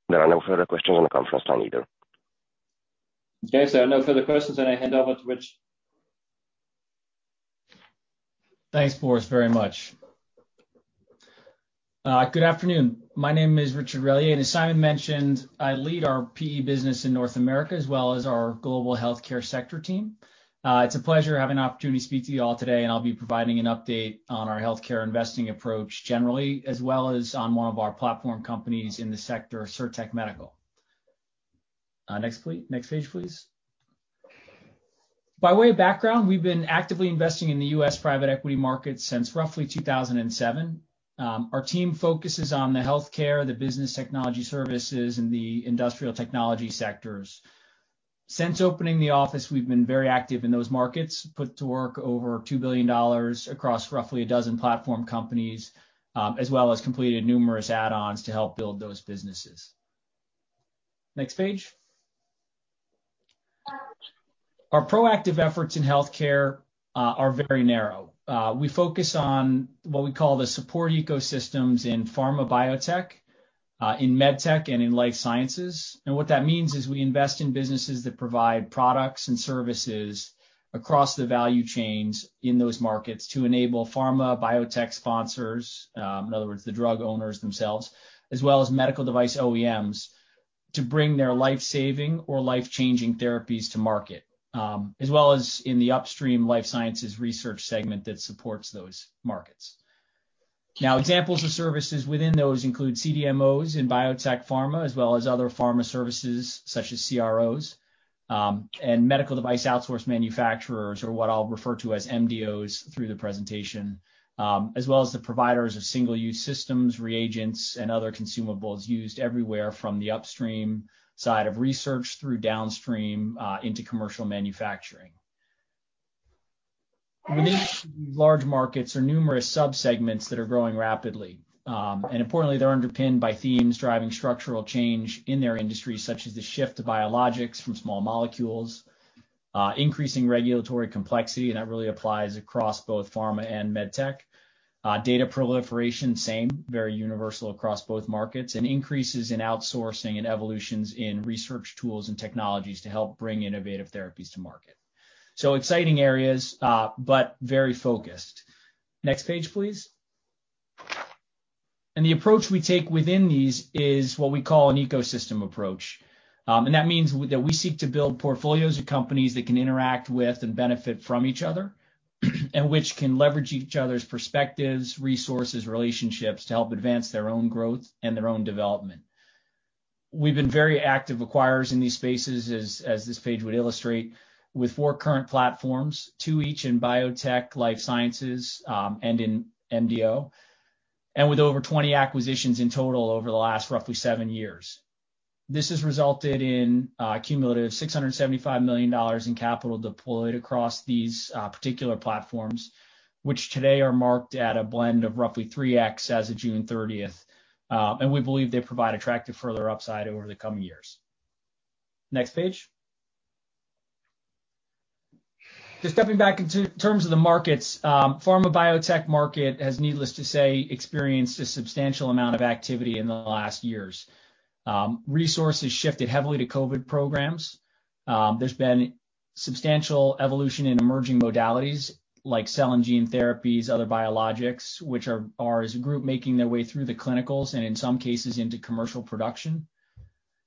A: There are no further questions on the conference call either.
C: Okay. No further questions, then I hand over to Rich.
H: Thanks, Boris Kawohl, very much. Good afternoon. My name is Richard Relyea, and as Simon Borrows mentioned, I lead our PE business in North America as well as our global healthcare sector team. It's a pleasure having an opportunity to speak to you all today, and I'll be providing an update on our healthcare investing approach generally, as well as on one of our platform companies in the sector, Cirtec Medical. Next page, please. By way of background, we've been actively investing in the US private equity market since roughly 2007. Our team focuses on the healthcare, the business technology services, and the industrial technology sectors. Since opening the office, we've been very active in those markets, put to work over $2 billion across roughly a dozen platform companies, as well as completed numerous add-ons to help build those businesses. Next page. Our proactive efforts in healthcare are very narrow. We focus on what we call the support ecosystems in pharma biotech, in med tech and in life sciences. What that means is we invest in businesses that provide products and services across the value chains in those markets to enable pharma biotech sponsors, in other words, the drug owners themselves, as well as medical device OEMs, to bring their life-saving or life-changing therapies to market, as well as in the upstream life sciences research segment that supports those markets. Now, examples of services within those include CDMOs in biotech pharma, as well as other pharma services such as CROs, and medical device outsource manufacturers or what I'll refer to as MDOs through the presentation, as well as the providers of single-use systems, reagents, and other consumables used everywhere from the upstream side of research through downstream, into commercial manufacturing. Within these large markets are numerous sub-segments that are growing rapidly. Importantly, they're underpinned by themes driving structural change in their industry, such as the shift to biologics from small molecules, increasing regulatory complexity, and that really applies across both pharma and med tech. Data proliferation, same, very universal across both markets, and increases in outsourcing and evolutions in research tools and technologies to help bring innovative therapies to market. Exciting areas, but very focused. Next page, please. The approach we take within these is what we call an ecosystem approach. That means that we seek to build portfolios of companies that can interact with and benefit from each other, and which can leverage each other's perspectives, resources, relationships to help advance their own growth and their own development. We've been very active acquirers in these spaces as this page would illustrate, with four current platforms, two each in biotech, life sciences, and in MDO, and with over 20 acquisitions in total over the last roughly seven years. This has resulted in cumulative $675 million in capital deployed across these particular platforms, which today are marked at a blend of roughly 3x as of June 30th. We believe they provide attractive further upside over the coming years. Next page. Just stepping back into terms of the markets, pharma biotech market has, needless to say, experienced a substantial amount of activity in the last years. Resources shifted heavily to COVID programs. There's been substantial evolution in emerging modalities like cell and gene therapies, other biologics, which are as a group making their way through the clinicals and in some cases into commercial production.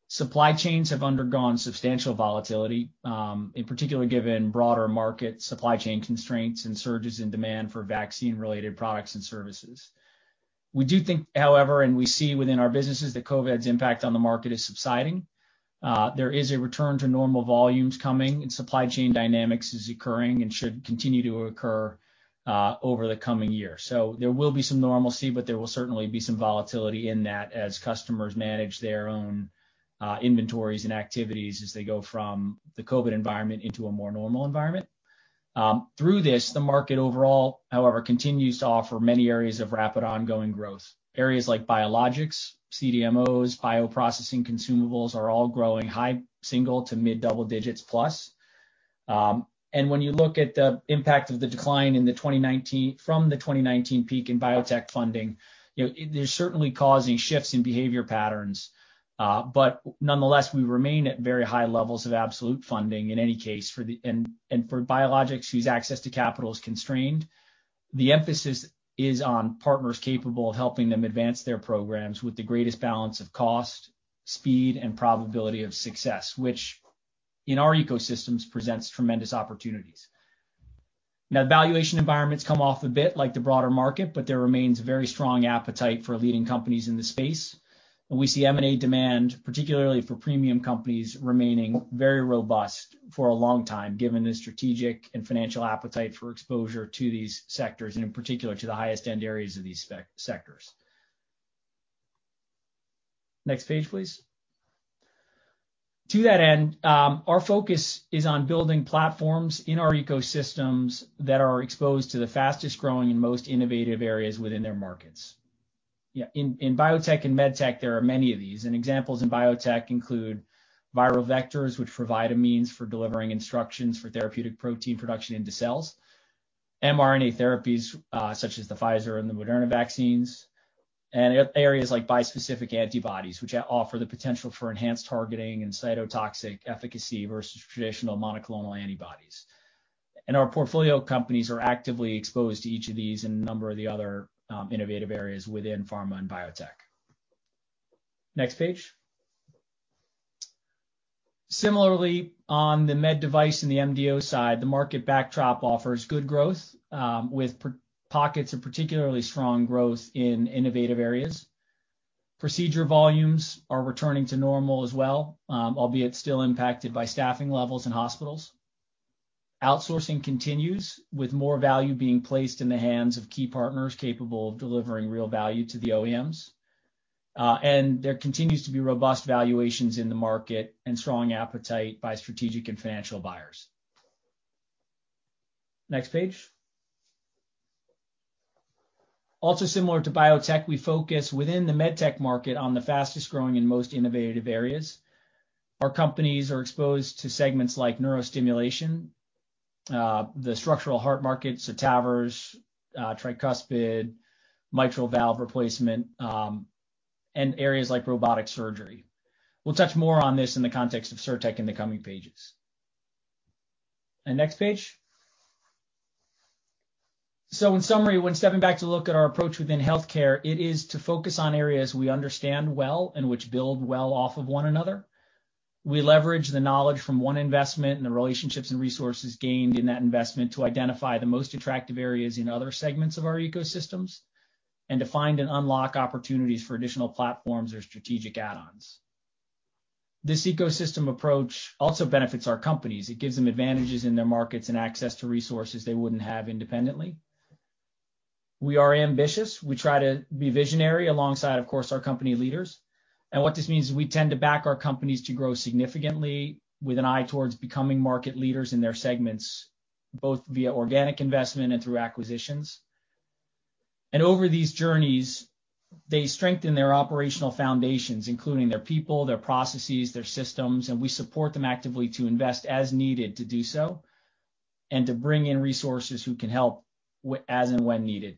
H: Supply chains have undergone substantial volatility, in particular, given broader market supply chain constraints and surges in demand for vaccine-related products and services. We do think, however, and we see within our businesses that COVID's impact on the market is subsiding. There is a return to normal volumes coming, and supply chain dynamics is occurring and should continue to occur over the coming years. There will be some normalcy, but there will certainly be some volatility in that as customers manage their own inventories and activities as they go from the COVID environment into a more normal environment. Through this, the market overall, however, continues to offer many areas of rapid ongoing growth. Areas like biologics, CDMOs, bioprocessing consumables are all growing high single- to mid-double-digit % plus. When you look at the impact of the decline from the 2019 peak in biotech funding, you know, they're certainly causing shifts in behavior patterns. nonetheless, we remain at very high levels of absolute funding in any case for biologics whose access to capital is constrained, the emphasis is on partners capable of helping them advance their programs with the greatest balance of cost, speed, and probability of success, which in our ecosystems presents tremendous opportunities. Now, the valuation environment's come off a bit like the broader market, but there remains very strong appetite for leading companies in this space. We see M&A demand, particularly for premium companies, remaining very robust for a long time, given the strategic and financial appetite for exposure to these sectors, and in particular, to the highest end areas of these sectors. Next page, please. To that end, our focus is on building platforms in our ecosystems that are exposed to the fastest-growing and most innovative areas within their markets. Yeah, in biotech and med tech, there are many of these. Examples in biotech include viral vectors, which provide a means for delivering instructions for therapeutic protein production into cells. mRNA therapies, such as the Pfizer and the Moderna vaccines. Areas like bispecific antibodies, which offer the potential for enhanced targeting and cytotoxic efficacy versus traditional monoclonal antibodies. Our portfolio companies are actively exposed to each of these and a number of the other, innovative areas within pharma and biotech. Next page. Similarly, on the med device and the MDO side, the market backdrop offers good growth, with pockets of particularly strong growth in innovative areas. Procedure volumes are returning to normal as well, albeit still impacted by staffing levels in hospitals. Outsourcing continues, with more value being placed in the hands of key partners capable of delivering real value to the OEMs. And there continues to be robust valuations in the market and strong appetite by strategic and financial buyers. Next page. Also similar to biotech, we focus within the med tech market on the fastest-growing and most innovative areas. Our companies are exposed to segments like neurostimulation, the structural heart market, so TAVR, tricuspid, mitral valve replacement, and areas like robotic surgery. We'll touch more on this in the context of Cirtec in the coming pages. Next page. In summary, when stepping back to look at our approach within healthcare, it is to focus on areas we understand well and which build well off of one another. We leverage the knowledge from one investment and the relationships and resources gained in that investment to identify the most attractive areas in other segments of our ecosystems and to find and unlock opportunities for additional platforms or strategic add-ons. This ecosystem approach also benefits our companies. It gives them advantages in their markets and access to resources they wouldn't have independently. We are ambitious. We try to be visionary alongside, of course, our company leaders. What this means is we tend to back our companies to grow significantly with an eye towards becoming market leaders in their segments, both via organic investment and through acquisitions. Over these journeys, they strengthen their operational foundations, including their people, their processes, their systems, and we support them actively to invest as needed to do so and to bring in resources who can help as and when needed.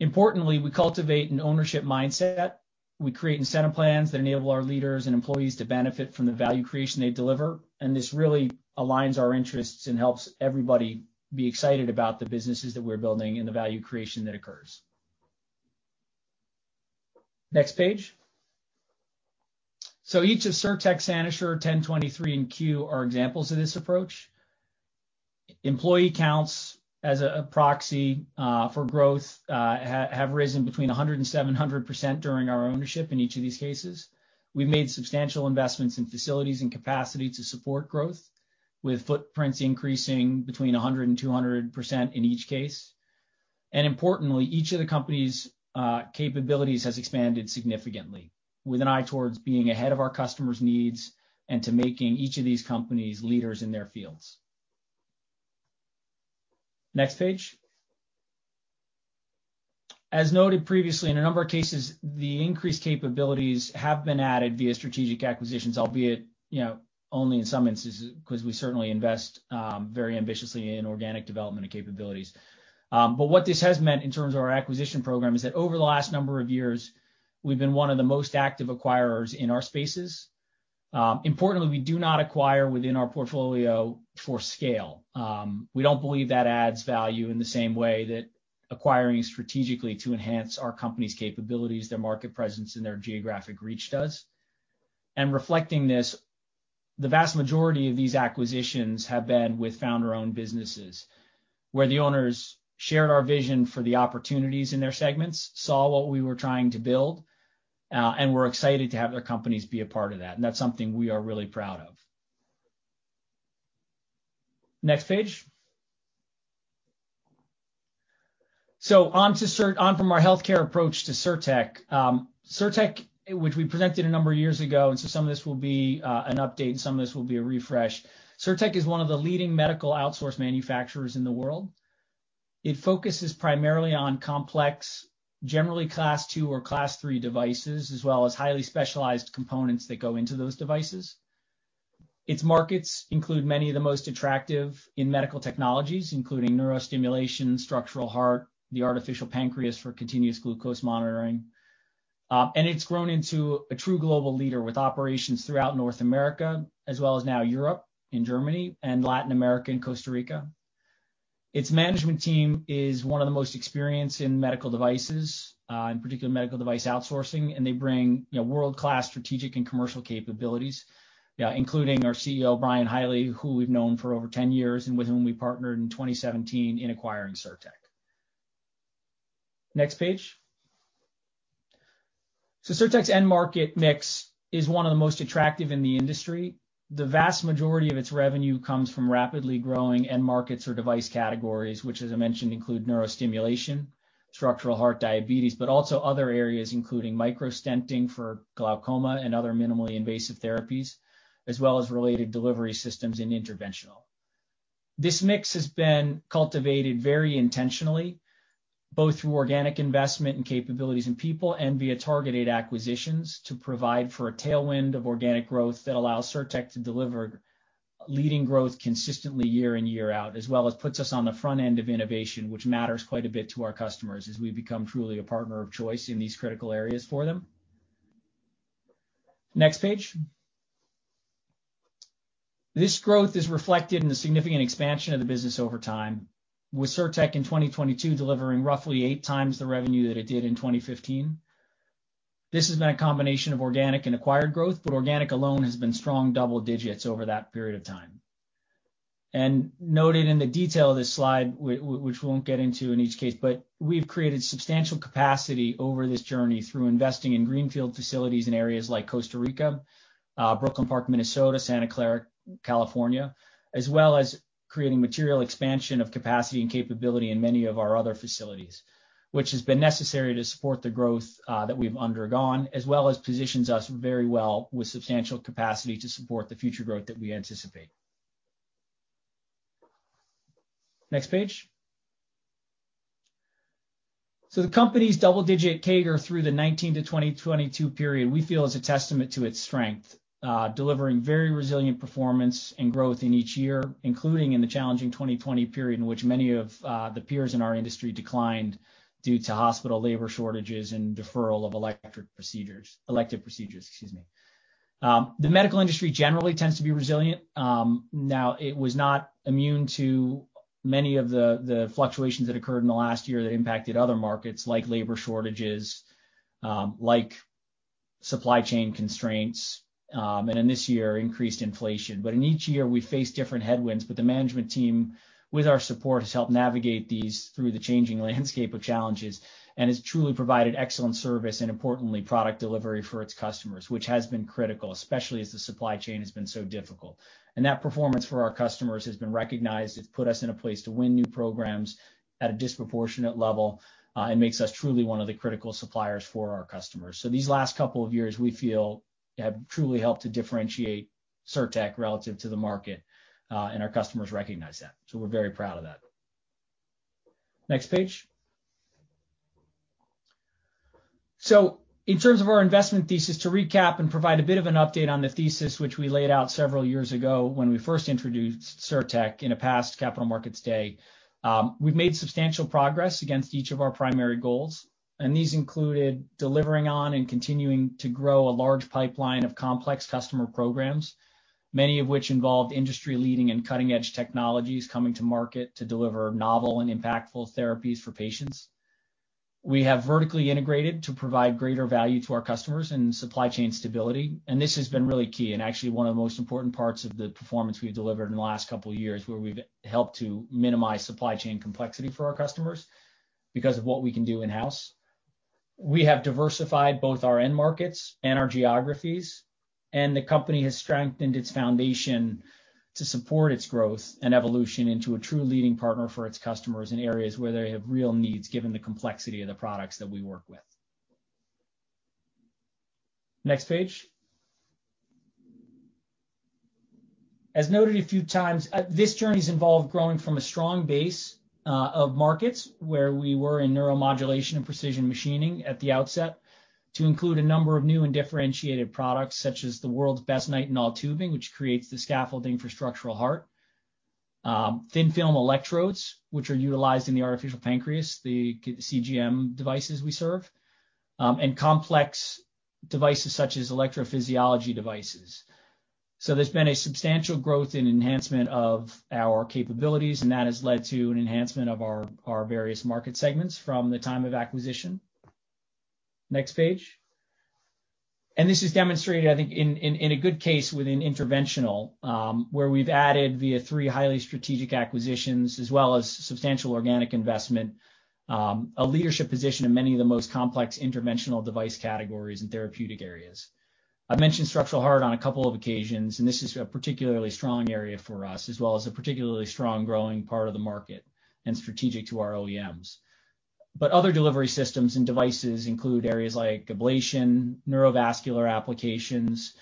H: Importantly, we cultivate an ownership mindset. We create incentive plans that enable our leaders and employees to benefit from the value creation they deliver, and this really aligns our interests and helps everybody be excited about the businesses that we're building and the value creation that occurs. Next page. Each of Cirtec, SaniSure, ten23 health, and Q Holding are examples of this approach. Employee counts as a proxy for growth have risen between 100% and 700% during our ownership in each of these cases. We've made substantial investments in facilities and capacity to support growth, with footprints increasing between 100% and 200% in each case. Importantly, each of the companies capabilities has expanded significantly with an eye towards being ahead of our customers' needs and to making each of these companies leaders in their fields. Next page. As noted previously, in a number of cases, the increased capabilities have been added via strategic acquisitions, albeit, you know, only in some instances, 'cause we certainly invest very ambitiously in organic development and capabilities. What this has meant in terms of our acquisition program is that over the last number of years, we've been one of the most active acquirers in our spaces. Importantly, we do not acquire within our portfolio for scale. We don't believe that adds value in the same way that acquiring strategically to enhance our company's capabilities, their market presence, and their geographic reach does. Reflecting this, the vast majority of these acquisitions have been with founder-owned businesses, where the owners shared our vision for the opportunities in their segments, saw what we were trying to build, and were excited to have their companies be a part of that, and that's something we are really proud of. Next page. So on from our healthcare approach to Cirtec. Cirtec, which we presented a number of years ago, some of this will be an update and some of this will be a refresh. Cirtec is one of the leading medical outsourcing manufacturers in the world. It focuses primarily on complex, generally Class II or Class III devices, as well as highly specialized components that go into those devices. Its markets include many of the most attractive in medical technologies, including neurostimulation, structural heart, the artificial pancreas for continuous glucose monitoring. It's grown into a true global leader with operations throughout North America, as well as now Europe and Germany, and Latin America and Costa Rica. Its management team is one of the most experienced in medical devices, in particular medical device outsourcing, and they bring, you know, world-class strategic and commercial capabilities. Including our CEO, Brian Highley, who we've known for over 10 years and with whom we partnered in 2017 in acquiring Cirtec. Next page. Cirtec's end market mix is one of the most attractive in the industry. The vast majority of its revenue comes from rapidly growing end markets or device categories, which as I mentioned, include neurostimulation, structural heart, diabetes, but also other areas including micro stenting for glaucoma and other minimally invasive therapies, as well as related delivery systems and interventional. This mix has been cultivated very intentionally, both through organic investment in capabilities and people and via targeted acquisitions to provide for a tailwind of organic growth that allows Cirtec to deliver leading growth consistently year in, year out, as well as puts us on the front end of innovation, which matters quite a bit to our customers as we become truly a partner of choice in these critical areas for them. Next page. This growth is reflected in the significant expansion of the business over time with Cirtec in 2022 delivering roughly 8x the revenue that it did in 2015. This has been a combination of organic and acquired growth, but organic alone has been strong double digits over that period of time. Noted in the detail of this slide, which we won't get into in each case, but we've created substantial capacity over this journey through investing in greenfield facilities in areas like Costa Rica, Brooklyn Park, Minnesota, Santa Clara, California, as well as creating material expansion of capacity and capability in many of our other facilities, which has been necessary to support the growth that we've undergone, as well as positions us very well with substantial capacity to support the future growth that we anticipate. Next page. The company's double-digit CAGR through the 2019 to 2022 period, we feel is a testament to its strength, delivering very resilient performance and growth in each year, including in the challenging 2020 period in which many of the peers in our industry declined due to hospital labor shortages and deferral of elective procedures, excuse me. The medical industry generally tends to be resilient. Now, it was not immune to many of the fluctuations that occurred in the last year that impacted other markets like labor shortages, like supply chain constraints, and in this year, increased inflation. In each year we face different headwinds, but the management team, with our support, has helped navigate these through the changing landscape of challenges and has truly provided excellent service and importantly product delivery for its customers, which has been critical, especially as the supply chain has been so difficult. That performance for our customers has been recognized. It's put us in a place to win new programs at a disproportionate level, and makes us truly one of the critical suppliers for our customers. These last couple of years, we feel have truly helped to differentiate Cirtec relative to the market, and our customers recognize that. We're very proud of that. Next page. In terms of our investment thesis, to recap and provide a bit of an update on the thesis which we laid out several years ago when we first introduced Cirtec in a past capital markets day, we've made substantial progress against each of our primary goals, and these included delivering on and continuing to grow a large pipeline of complex customer programs, many of which involved industry-leading and cutting-edge technologies coming to market to deliver novel and impactful therapies for patients. We have vertically integrated to provide greater value to our customers and supply chain stability, and this has been really key and actually one of the most important parts of the performance we've delivered in the last couple of years, where we've helped to minimize supply chain complexity for our customers because of what we can do in-house. We have diversified both our end markets and our geographies, and the company has strengthened its foundation to support its growth and evolution into a true leading partner for its customers in areas where they have real needs, given the complexity of the products that we work with. Next page. As noted a few times, this journey's involved growing from a strong base of markets where we were in neuromodulation and precision machining at the outset to include a number of new and differentiated products such as the world's best nitinol tubing, which creates the scaffolding for structural heart, thin film electrodes, which are utilized in the artificial pancreas, the CGM devices we serve, and complex devices such as electrophysiology devices. There's been a substantial growth in enhancement of our capabilities, and that has led to an enhancement of our various market segments from the time of acquisition. Next page. This is demonstrated, I think, in a good case within interventional, where we've added via three highly strategic acquisitions, as well as substantial organic investment, a leadership position in many of the most complex interventional device categories and therapeutic areas. I've mentioned structural heart on a couple of occasions, and this is a particularly strong area for us, as well as a particularly strong growing part of the market and strategic to our OEMs. Other delivery systems and devices include areas like ablation, neurovascular applications.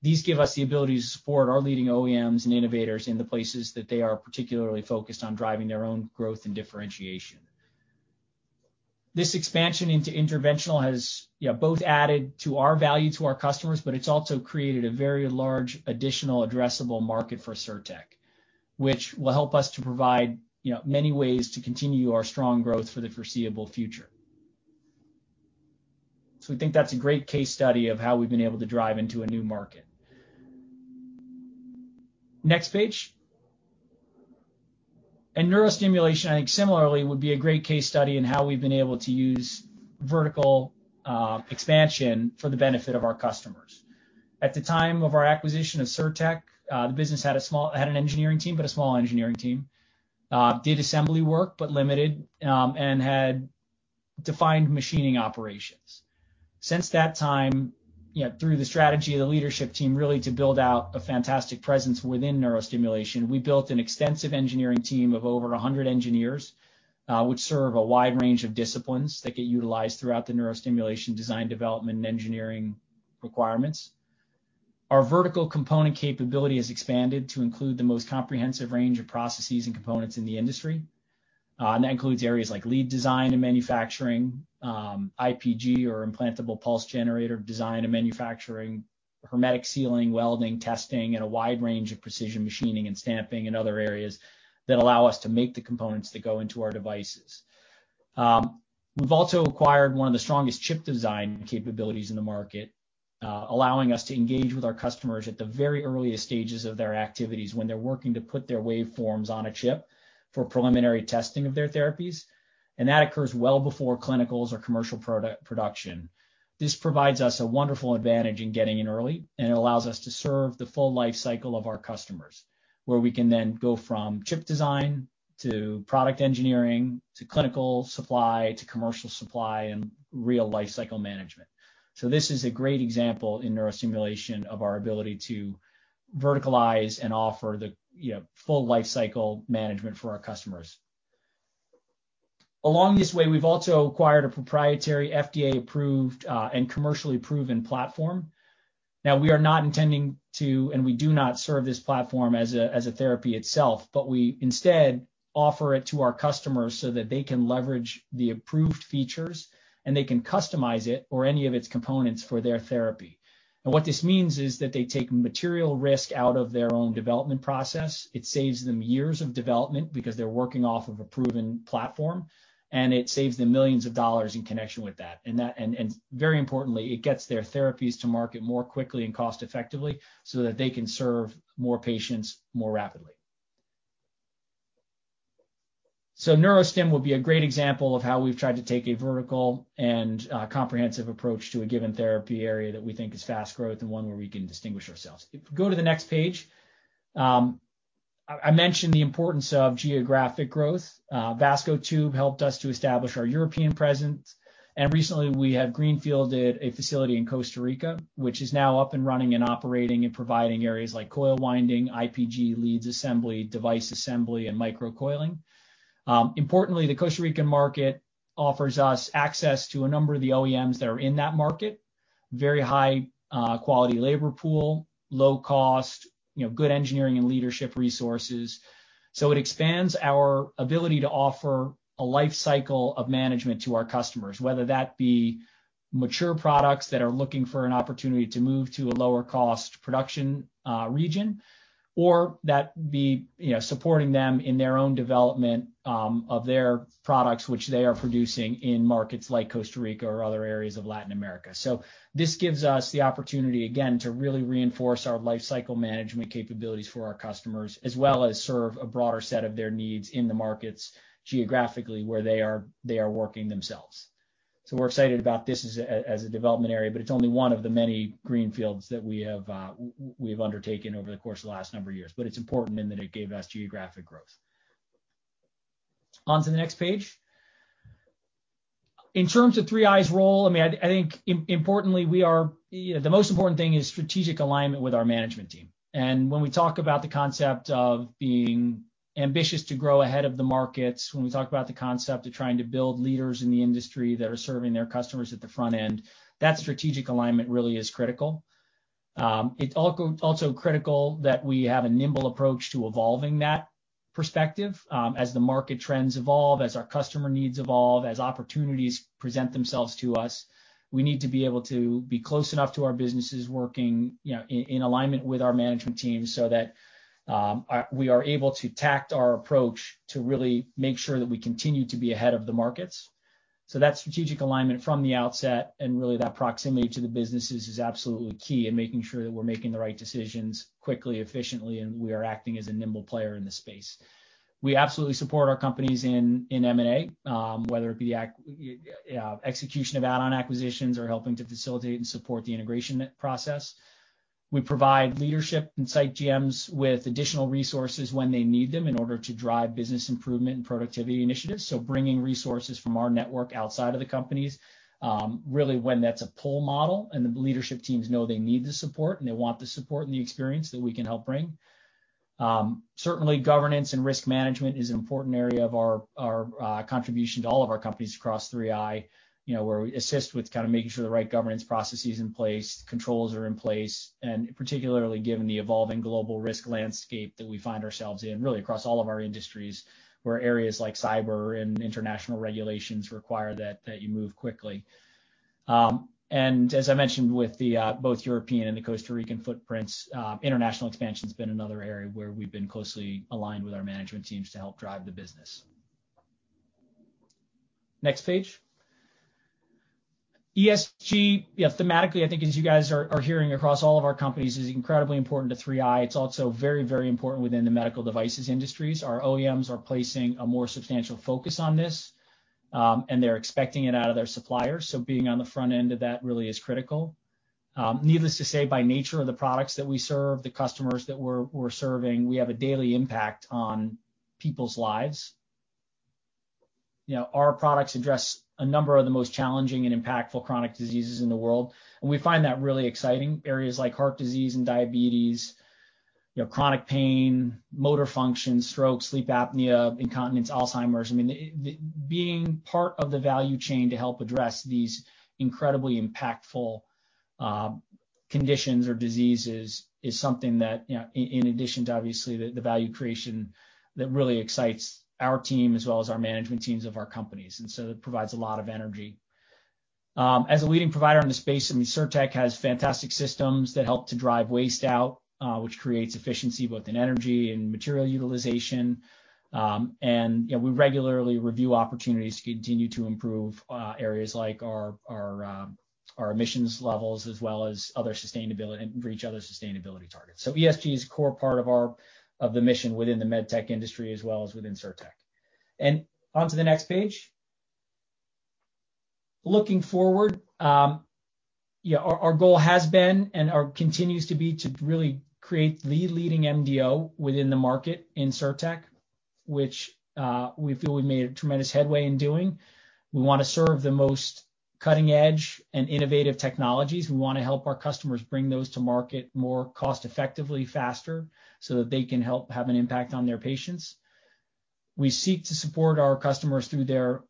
H: These give us the ability to support our leading OEMs and innovators in the places that they are particularly focused on driving their own growth and differentiation. This expansion into interventional has, you know, both added to our value to our customers, but it's also created a very large additional addressable market for Cirtec, which will help us to provide, you know, many ways to continue our strong growth for the foreseeable future. We think that's a great case study of how we've been able to drive into a new market. Next page. Neurostimulation, I think similarly, would be a great case study in how we've been able to use vertical expansion for the benefit of our customers. At the time of our acquisition of Cirtec, the business had a small engineering team, but a small engineering team. Did assembly work, but limited, and had defined machining operations. Since that time, you know, through the strategy of the leadership team, really to build out a fantastic presence within neurostimulation, we built an extensive engineering team of over 100 engineers, which serve a wide range of disciplines that get utilized throughout the neurostimulation design, development, and engineering requirements. Our vertical component capability has expanded to include the most comprehensive range of processes and components in the industry. That includes areas like lead design and manufacturing, IPG or implantable pulse generator design and manufacturing, hermetic sealing, welding, testing, and a wide range of precision machining and stamping and other areas that allow us to make the components that go into our devices. We've also acquired one of the strongest chip design capabilities in the market, allowing us to engage with our customers at the very earliest stages of their activities when they're working to put their waveforms on a chip for preliminary testing of their therapies, and that occurs well before clinicals or commercial production. This provides us a wonderful advantage in getting in early, and it allows us to serve the full life cycle of our customers, where we can then go from chip design to product engineering to clinical supply to commercial supply and real life cycle management. This is a great example in neurostimulation of our ability to verticalize and offer the, you know, full life cycle management for our customers. Along this way, we've also acquired a proprietary FDA-approved and commercially proven platform. Now, we are not intending to, and we do not serve this platform as a therapy itself, but we instead offer it to our customers so that they can leverage the approved features, and they can customize it or any of its components for their therapy. What this means is that they take material risk out of their own development process. It saves them years of development because they're working off of a proven platform, and it saves them millions of dollars in connection with that. That, and very importantly, it gets their therapies to market more quickly and cost effectively so that they can serve more patients more rapidly. Neurostim would be a great example of how we've tried to take a vertical and comprehensive approach to a given therapy area that we think is fast growth and one where we can distinguish ourselves. If we go to the next page. I mentioned the importance of geographic growth. Vascotube helped us to establish our European presence. Recently we have greenfielded a facility in Costa Rica, which is now up and running and operating and providing areas like coil winding, IPG leads assembly, device assembly, and microcoiling. Importantly, the Costa Rican market offers us access to a number of the OEMs that are in that market. Very high quality labor pool, low cost, you know, good engineering and leadership resources. It expands our ability to offer a life cycle of management to our customers, whether that be mature products that are looking for an opportunity to move to a lower cost production region or that be, you know, supporting them in their own development of their products, which they are producing in markets like Costa Rica or other areas of Latin America. This gives us the opportunity, again, to really reinforce our life cycle management capabilities for our customers, as well as serve a broader set of their needs in the markets geographically where they are working themselves. We're excited about this as a development area, but it's only one of the many greenfields that we have, we've undertaken over the course of the last number of years. It's important in that it gave us geographic growth. On to the next page. In terms of 3i's role, I mean, I think importantly, you know, the most important thing is strategic alignment with our management team. When we talk about the concept of being ambitious to grow ahead of the markets, when we talk about the concept of trying to build leaders in the industry that are serving their customers at the front end, that strategic alignment really is critical. It's also critical that we have a nimble approach to evolving that perspective, as the market trends evolve, as our customer needs evolve, as opportunities present themselves to us. We need to be able to be close enough to our businesses working in alignment with our management team so that we are able to tailor our approach to really make sure that we continue to be ahead of the markets. That strategic alignment from the outset and really that proximity to the businesses is absolutely key in making sure that we're making the right decisions quickly, efficiently, and we are acting as a nimble player in the space. We absolutely support our companies in M&A, whether it be execution of add-on acquisitions or helping to facilitate and support the integration process. We provide leadership and site GMs with additional resources when they need them in order to drive business improvement and productivity initiatives. Bringing resources from our network outside of the companies, really when that's a pull model and the leadership teams know they need the support, and they want the support and the experience that we can help bring. Certainly governance and risk management is an important area of our contribution to all of our companies across 3i. You know, where we assist with kind of making sure the right governance process is in place, controls are in place, and particularly given the evolving global risk landscape that we find ourselves in, really across all of our industries. Where areas like cyber and international regulations require that you move quickly. As I mentioned with the both European and the Costa Rican footprints, international expansion's been another area where we've been closely aligned with our management teams to help drive the business. Next page. ESG, yeah, thematically, I think as you guys are hearing across all of our companies is incredibly important to 3i. It's also very, very important within the medical devices industries. Our OEMs are placing a more substantial focus on this, and they're expecting it out of their suppliers, so being on the front end of that really is critical. Needless to say, by nature of the products that we serve, the customers that we're serving, we have a daily impact on people's lives. You know, our products address a number of the most challenging and impactful chronic diseases in the world, and we find that really exciting. Areas like heart disease and diabetes, you know, chronic pain, motor function, stroke, sleep apnea, incontinence, Alzheimer's. I mean, being part of the value chain to help address these incredibly impactful conditions or diseases is something that, you know, in addition to obviously the value creation that really excites our team as well as our management teams of our companies. It provides a lot of energy. As a leading provider in the space, I mean, Cirtec has fantastic systems that help to drive waste out, which creates efficiency both in energy and material utilization. You know, we regularly review opportunities to continue to improve areas like our emissions levels as well as other sustainability and reach other sustainability targets. ESG is a core part of the mission within the med tech industry as well as within Cirtec. Onto the next page. Looking forward, you know, our goal has been and continues to be to really create the leading MDO within the market in Cirtec, which we feel we've made a tremendous headway in doing. We wanna serve the most cutting edge and innovative technologies. We wanna help our customers bring those to market more cost effectively, faster, so that they can help have an impact on their patients. We seek to support our customers through their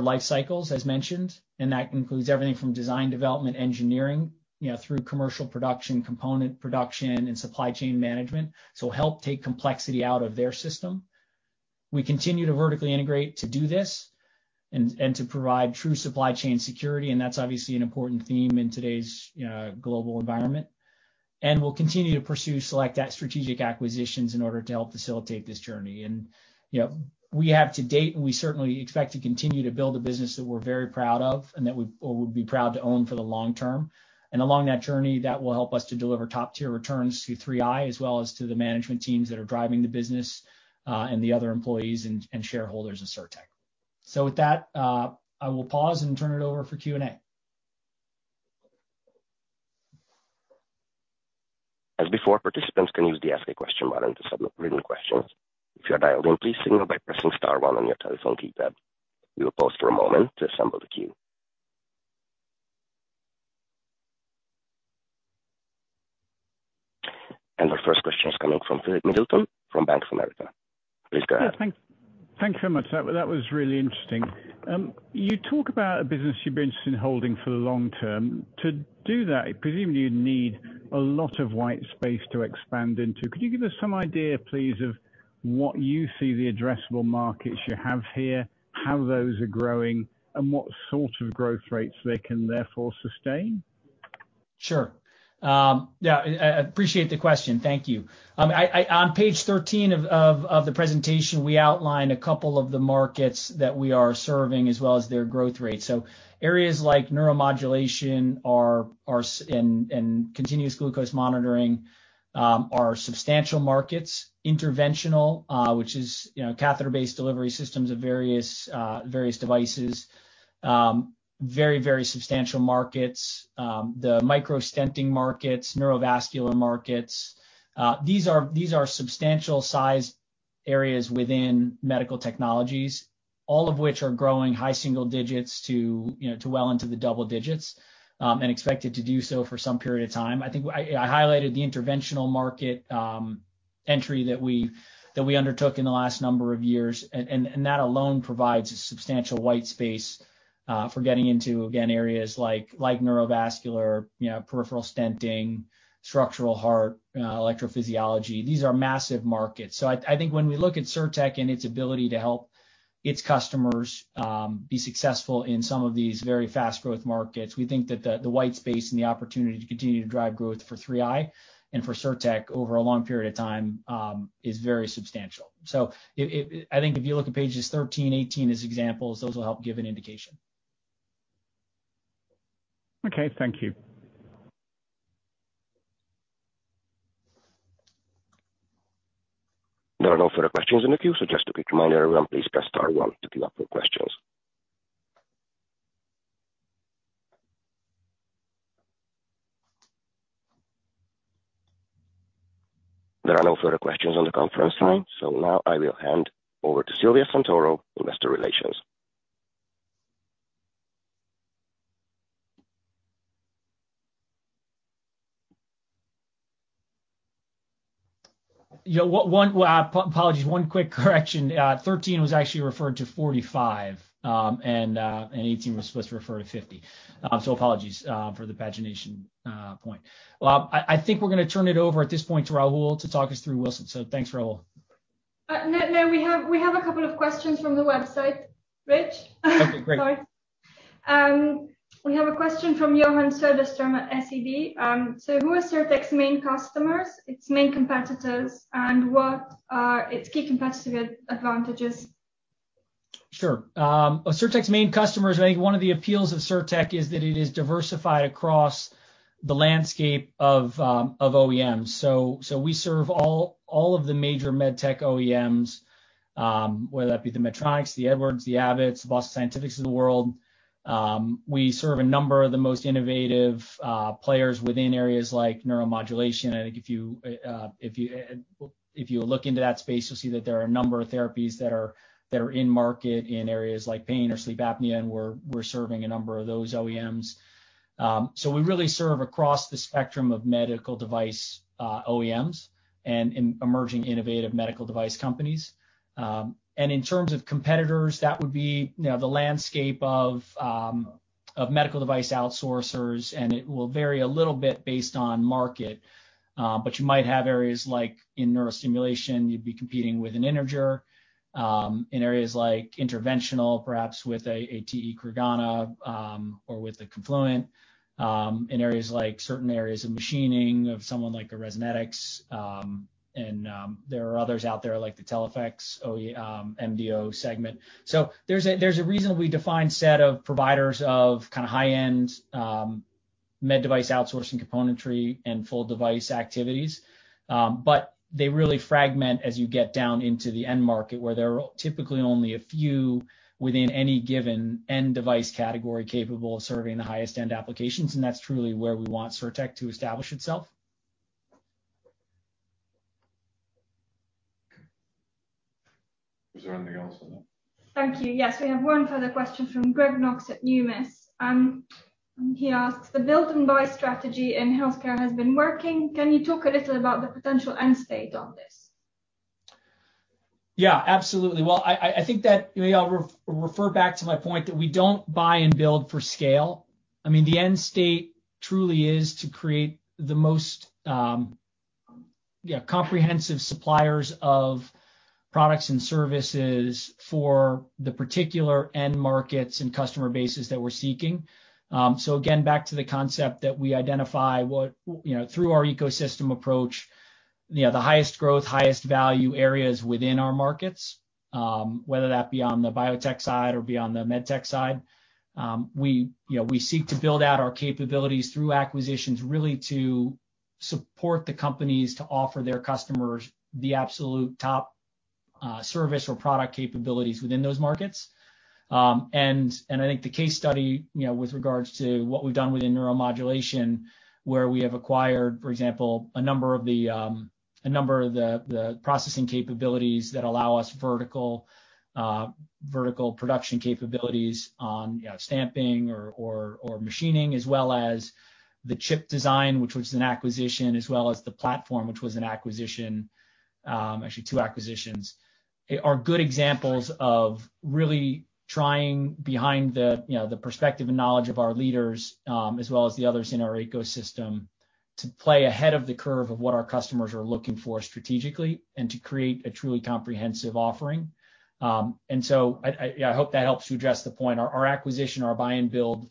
H: life cycles, as mentioned, and that includes everything from design, development, engineering, you know, through commercial production, component production, and supply chain management. Help take complexity out of their system. We continue to vertically integrate to do this and to provide true supply chain security, and that's obviously an important theme in today's global environment. We'll continue to pursue select strategic acquisitions in order to help facilitate this journey. You know, we have to date, and we certainly expect to continue to build a business that we're very proud of and that we or would be proud to own for the long-term. Along that journey, that will help us to deliver top tier returns to 3i as well as to the management teams that are driving the business, and the other employees and shareholders of Cirtec. With that, I will pause and turn it over for Q&A.
A: As before, participants can use the ask a question button to submit written questions. If you are dialed in, please signal by pressing star one on your telephone keypad. We will pause for a moment to assemble the queue. Our first question is coming from Philip Middleton from Bank of America. Please go ahead.
I: Yeah, thank you so much. That was really interesting. You talk about a business you'd be interested in holding for the long-term. To do that, presumably you'd need a lot of white space to expand into. Could you give us some idea, please, of what you see the addressable markets you have here, how those are growing, and what sort of growth rates they can therefore sustain?
H: Sure. Yeah, I appreciate the question. Thank you. On page 13 of the presentation, we outline a couple of the markets that we are serving as well as their growth rates. Areas like neuromodulation and continuous glucose monitoring are substantial markets. Interventional, which is, you know, catheter-based delivery systems of various devices. Very substantial markets. The microstenting markets, neurovascular markets, these are substantial size areas within medical technologies. All of which are growing high single digits to, you know, to well into the double digits, and expected to do so for some period of time. I think I highlighted the interventional market entry that we undertook in the last number of years. That alone provides a substantial white space for getting into, again, areas like neurovascular, you know, peripheral stenting, structural heart, electrophysiology. These are massive markets. I think when we look at Cirtec and its ability to help its customers be successful in some of these very fast growth markets, we think that the white space and the opportunity to continue to drive growth for 3i and for Cirtec over a long period of time is very substantial. I think if you look at pages 13, 18 as examples, those will help give an indication.
I: Okay. Thank you.
A: There are no further questions in the queue, so just a quick reminder everyone, please press star one to queue up for questions. There are no further questions on the conference line, so now I will hand over to Silvia Santoro, Investor Relations.
H: Yeah. One quick correction. 13 was actually referring to 45, and 18 was supposed to refer to 50. So apologies for the pagination point. Well, I think we're gonna turn it over at this point to Rahul to talk us through Wilson. Thanks, Rahul.
G: No, we have a couple of questions from the website, Rich.
H: Okay, great.
G: Sorry. We have a question from Johan Söderström at SEB. Who are Cirtec's main customers, its main competitors, and what are its key competitive advantages?
H: Sure. Cirtec's main customers, I think one of the appeals of Cirtec is that it is diversified across the landscape of OEMs. We serve all of the major med tech OEMs, whether that be the Medtronic, the Edwards, the Abbott, the Boston Scientific of the world. We serve a number of the most innovative players within areas like neuromodulation. I think if you look into that space, you'll see that there are a number of therapies that are in market in areas like pain or sleep apnea, and we're serving a number of those OEMs. We really serve across the spectrum of medical device OEMs and emerging innovative medical device companies. In terms of competitors, that would be, you know, the landscape of medical device outsourcers, and it will vary a little bit based on market. You might have areas like in neurostimulation, you'd be competing with Integer, in areas like interventional, perhaps with TE, Creganna, or with Confluent, in areas like certain areas of machining of someone like Resonetics. There are others out there like the Teleflex OEM, MDO segment. There's a reasonably defined set of providers of kind of high-end, med device outsourcing componentry and full device activities. They really fragment as you get down into the end market, where there are typically only a few within any given end device category capable of serving the highest end applications, and that's truly where we want Cirtec to establish itself.
A: Is there anything else on that?
G: Thank you. Yes. We have one further question from Greg Knox at Numis. He asks, "The build and buy strategy in healthcare has been working. Can you talk a little about the potential end state on this?
H: Yeah, absolutely. Well, I think that, you know, I'll refer back to my point that we don't buy and build for scale. I mean, the end state truly is to create the most comprehensive suppliers of products and services for the particular end markets and customer bases that we're seeking. So again, back to the concept that we identify what, you know, through our ecosystem approach, you know, the highest growth, highest value areas within our markets, whether that be on the biotech side or be on the med tech side. We, you know, we seek to build out our capabilities through acquisitions really to support the companies to offer their customers the absolute top service or product capabilities within those markets. I think the case study, you know, with regards to what we've done within neuromodulation, where we have acquired, for example, a number of the processing capabilities that allow us vertical production capabilities on, you know, stamping or machining, as well as the chip design, which was an acquisition, as well as the platform, which was an acquisition, actually two acquisitions. They are good examples of really trying behind the, you know, the perspective and knowledge of our leaders, as well as the others in our ecosystem, to play ahead of the curve of what our customers are looking for strategically and to create a truly comprehensive offering. Yeah, I hope that helps to address the point. Our acquisition, our buy and build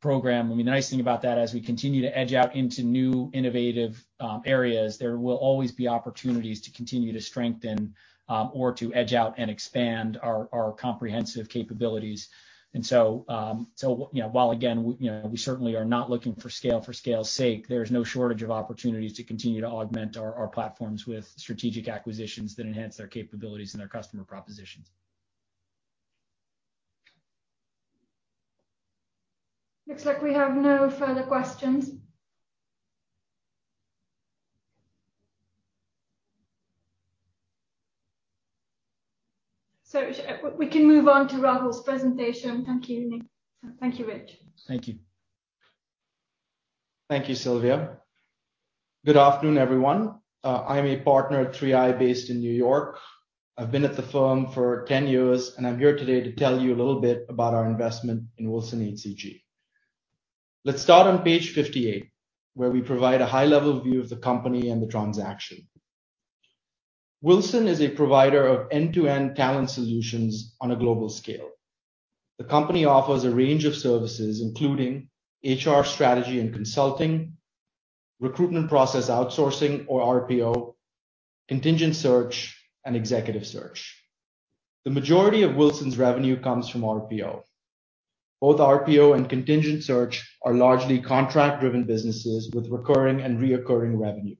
H: program, I mean, the nice thing about that, as we continue to edge out into new innovative areas, there will always be opportunities to continue to strengthen or to edge out and expand our comprehensive capabilities. You know, while again, you know, we certainly are not looking for scale for scale's sake, there's no shortage of opportunities to continue to augment our platforms with strategic acquisitions that enhance their capabilities and their customer propositions.
G: Looks like we have no further questions. We can move on to Rahul's presentation. Thank you, Nick. Thank you, Rich.
H: Thank you.
J: Thank you, Silvia. Good afternoon, everyone. I'm a partner at 3i based in New York. I've been at the firm for 10 years, and I'm here today to tell you a little bit about our investment in WilsonHCG. Let's start on page 58, where we provide a high-level view of the company and the transaction. WilsonHCG is a provider of end-to-end talent solutions on a global scale. The company offers a range of services, including HR strategy and consulting, recruitment process outsourcing or RPO, contingent search, and executive search. The majority of WilsonHCG's revenue comes from RPO. Both RPO and contingent search are largely contract-driven businesses with recurring and recurring revenue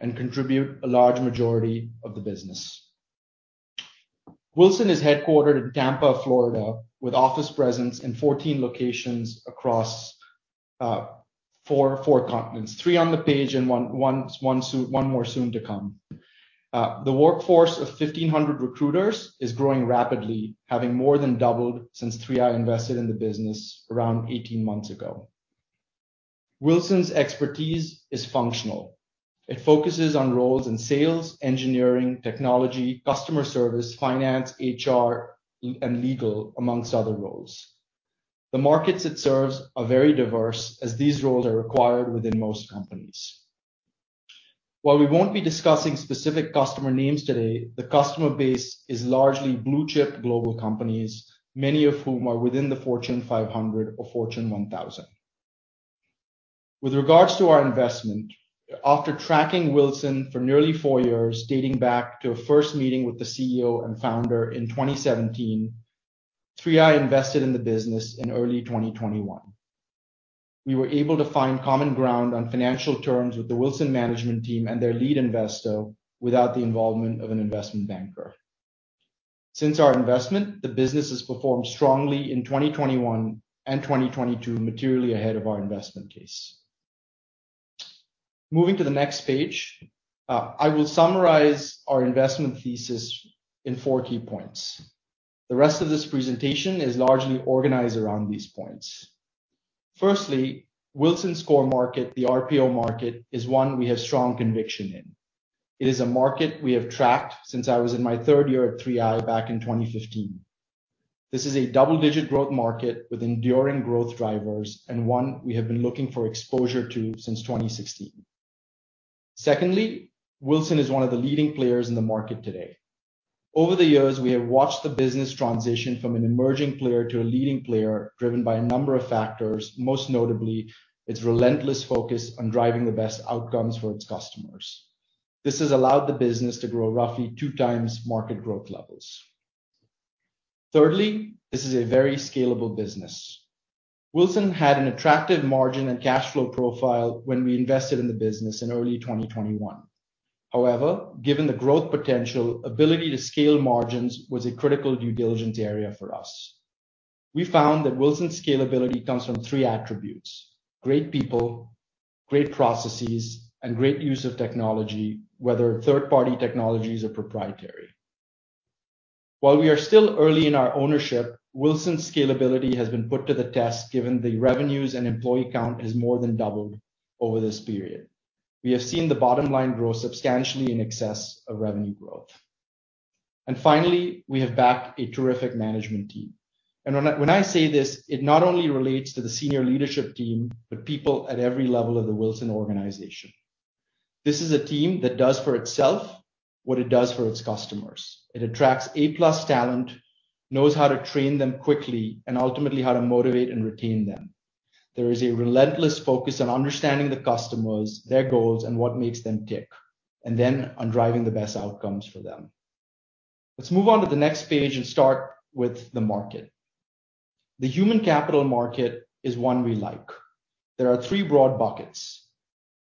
J: and contribute a large majority of the business. WilsonHCG is headquartered in Tampa, Florida, with office presence in 14 locations across four continents. Three on the page and one more soon to come. The workforce of 1,500 recruiters is growing rapidly, having more than doubled since 3i invested in the business around 18 months ago. Wilson's expertise is functional. It focuses on roles in sales, engineering, technology, customer service, finance, HR and legal, among other roles. The markets it serves are very diverse as these roles are required within most companies. While we won't be discussing specific customer names today, the customer base is largely blue-chip global companies, many of whom are within the Fortune 500 or Fortune 1,000. With regards to our investment, after tracking Wilson for nearly four years, dating back to a first meeting with the CEO and founder in 2017, 3i invested in the business in early 2021. We were able to find common ground on financial terms with the Wilson management team and their lead investor without the involvement of an investment banker. Since our investment, the business has performed strongly in 2021 and 2022, materially ahead of our investment case. Moving to the next page, I will summarize our investment thesis in four key points. The rest of this presentation is largely organized around these points. Firstly, Wilson's core market, the RPO market, is one we have strong conviction in. It is a market we have tracked since I was in my third year at 3i back in 2015. This is a double-digit growth market with enduring growth drivers and one we have been looking for exposure to since 2016. Secondly, Wilson is one of the leading players in the market today. Over the years, we have watched the business transition from an emerging player to a leading player driven by a number of factors, most notably its relentless focus on driving the best outcomes for its customers. This has allowed the business to grow roughly 2x market growth levels. Thirdly, this is a very scalable business. Wilson had an attractive margin and cash flow profile when we invested in the business in early 2021. However, given the growth potential, ability to scale margins was a critical due diligence area for us. We found that Wilson's scalability comes from three attributes: great people, great processes, and great use of technology, whether third-party technologies or proprietary. While we are still early in our ownership, Wilson's scalability has been put to the test, given the revenues and employee count has more than doubled over this period. We have seen the bottom line grow substantially in excess of revenue growth. Finally, we have backed a terrific management team. When I say this, it not only relates to the senior leadership team, but people at every level of the Wilson organization. This is a team that does for itself what it does for its customers. It attracts A-plus talent, knows how to train them quickly, and ultimately how to motivate and retain them. There is a relentless focus on understanding the customers, their goals, and what makes them tick, and then on driving the best outcomes for them. Let's move on to the next page and start with the market. The human capital market is one we like. There are three broad buckets.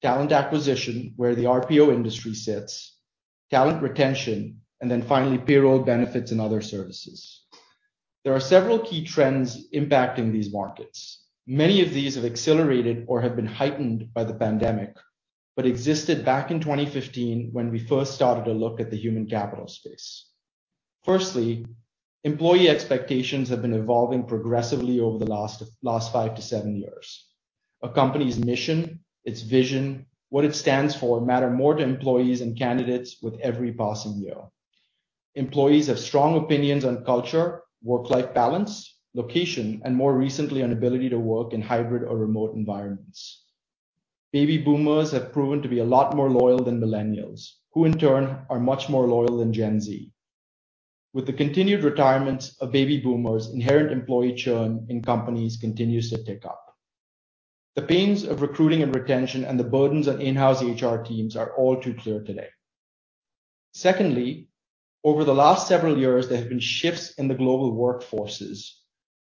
J: Talent acquisition, where the RPO industry sits, talent retention, and then finally, payroll benefits and other services. There are several key trends impacting these markets. Many of these have accelerated or have been heightened by the pandemic, but existed back in 2015 when we first started to look at the human capital space. Firstly, employee expectations have been evolving progressively over the last five to seven years. A company's mission, its vision, what it stands for matter more to employees and candidates with every passing year. Employees have strong opinions on culture, work-life balance, location, and more recently, an ability to work in hybrid or remote environments. Baby boomers have proven to be a lot more loyal than millennials, who in turn are much more loyal than Gen Z. With the continued retirements of baby boomers, inherent employee churn in companies continues to tick up. The pains of recruiting and retention and the burdens on in-house HR teams are all too clear today. Secondly, over the last several years, there have been shifts in the global workforces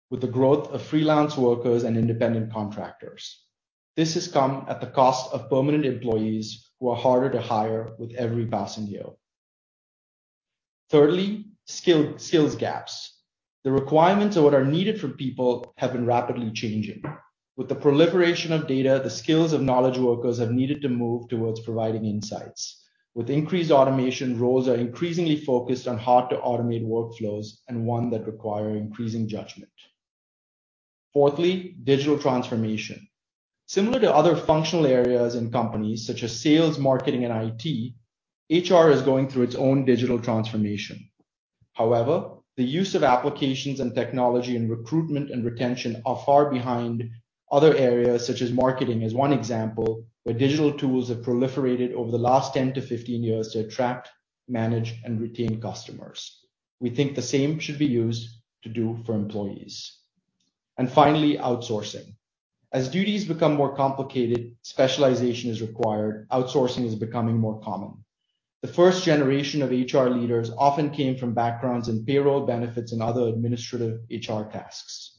J: with the growth of freelance workers and independent contractors. This has come at the cost of permanent employees who are harder to hire with every passing year. Thirdly, skills gaps. The requirements of what are needed from people have been rapidly changing. With the proliferation of data, the skills of knowledge workers have needed to move towards providing insights. With increased automation, roles are increasingly focused on hard-to-automate workflows and one that require increasing judgment. Fourthly, digital transformation. Similar to other functional areas in companies such as sales, marketing, and IT, HR is going through its own digital transformation. However, the use of applications and technology in recruitment and retention are far behind other areas, such as marketing as one example, where digital tools have proliferated over the last 10-15 years to attract, manage, and retain customers. We think the same should be used to do for employees. Finally, outsourcing. As duties become more complicated, specialization is required, outsourcing is becoming more common. The first generation of HR leaders often came from backgrounds in payroll benefits and other administrative HR tasks.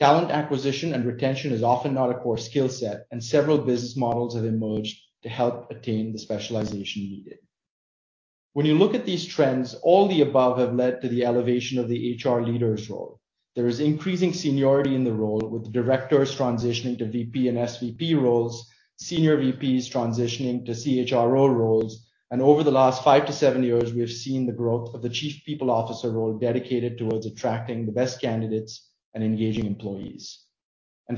J: Talent acquisition and retention is often not a core skill set, and several business models have emerged to help attain the specialization needed. When you look at these trends, all the above have led to the elevation of the HR leader's role. There is increasing seniority in the role, with directors transitioning to VP and SVP roles, senior VPs transitioning to CHRO roles. Over the last five to seven years, we have seen the growth of the chief people officer role dedicated toward attracting the best candidates and engaging employees.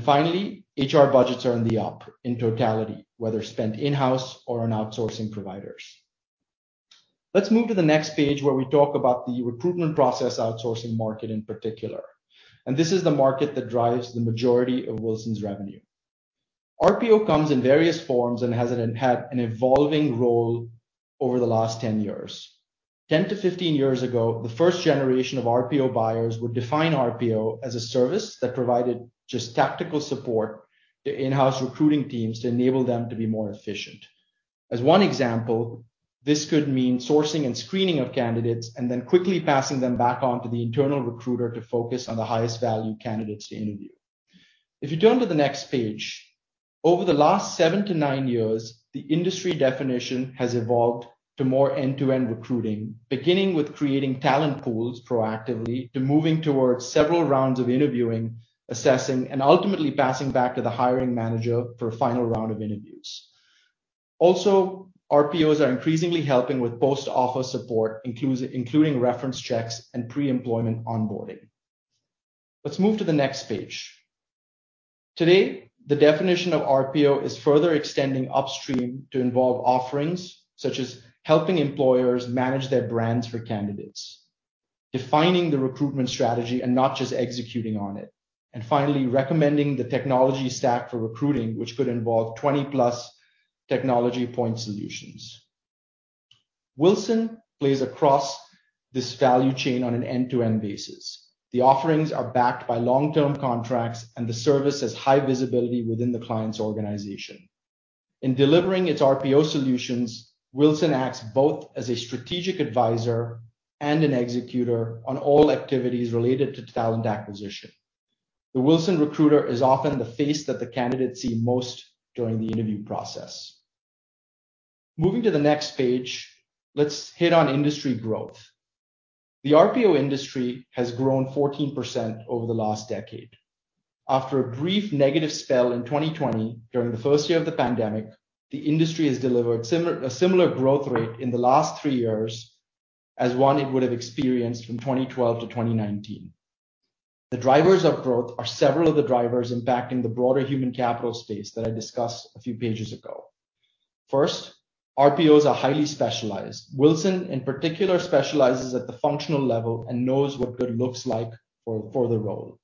J: Finally, HR budgets are on the up in totality, whether spent in-house or on outsourcing providers. Let's move to the next page where we talk about the recruitment process outsourcing market in particular. This is the market that drives the majority of Wilson's revenue. RPO comes in various forms and had an evolving role over the last 10 years. 10-15 years ago, the first generation of RPO buyers would define RPO as a service that provided just tactical support to in-house recruiting teams to enable them to be more efficient. As one example, this could mean sourcing and screening of candidates and then quickly passing them back on to the internal recruiter to focus on the highest value candidates to interview. If you turn to the next page. Over the last seven to nine years, the industry definition has evolved to more end-to-end recruiting, beginning with creating talent pools proactively to moving towards several rounds of interviewing, assessing, and ultimately passing back to the hiring manager for a final round of interviews. Also, RPOs are increasingly helping with post-offer support, including reference checks and pre-employment onboarding. Let's move to the next page. Today, the definition of RPO is further extending upstream to involve offerings such as helping employers manage their brands for candidates, defining the recruitment strategy and not just executing on it, and finally, recommending the technology stack for recruiting, which could involve 20+ technology point solutions. Wilson plays across this value chain on an end-to-end basis. The offerings are backed by long-term contracts, and the service has high visibility within the client's organization. In delivering its RPO solutions, Wilson acts both as a strategic advisor and an executor on all activities related to talent acquisition. The Wilson recruiter is often the face that the candidates see most during the interview process. Moving to the next page, let's hit on industry growth. The RPO industry has grown 14% over the last decade. After a brief negative spell in 2020 during the first year of the pandemic, the industry has delivered a similar growth rate in the last three years as one it would have experienced from 2012 to 2019. The drivers of growth are several of the drivers impacting the broader human capital space that I discussed a few pages ago. First, RPOs are highly specialized. Wilson in particular specializes at the functional level and knows what good looks like for the role.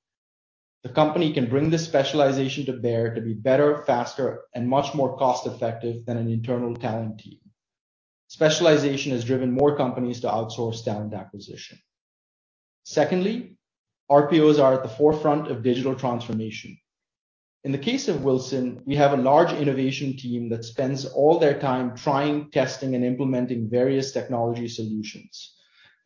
J: The company can bring this specialization to bear to be better, faster, and much more cost-effective than an internal talent team. Specialization has driven more companies to outsource talent acquisition. Secondly, RPOs are at the forefront of digital transformation. In the case of Wilson, we have a large innovation team that spends all their time trying, testing, and implementing various technology solutions.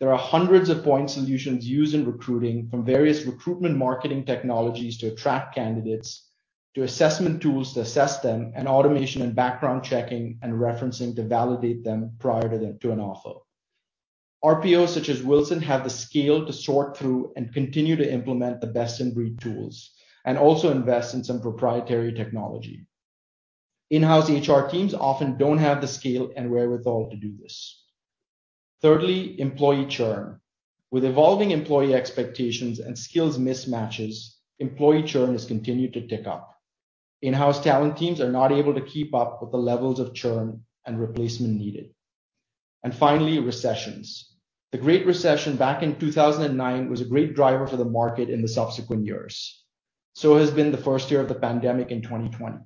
J: There are hundreds of point solutions used in recruiting from various recruitment marketing technologies to attract candidates to assessment tools to assess them, and automation and background checking and referencing to validate them prior to an offer. RPOs such as Wilson have the scale to sort through and continue to implement the best-in-breed tools and also invest in some proprietary technology. In-house HR teams often don't have the scale and wherewithal to do this. Thirdly, employee churn. With evolving employee expectations and skills mismatches, employee churn has continued to tick up. In-house talent teams are not able to keep up with the levels of churn and replacement needed. Finally, recessions. The Great Recession back in 2009 was a great driver for the market in the subsequent years. Has been the first year of the pandemic in 2020.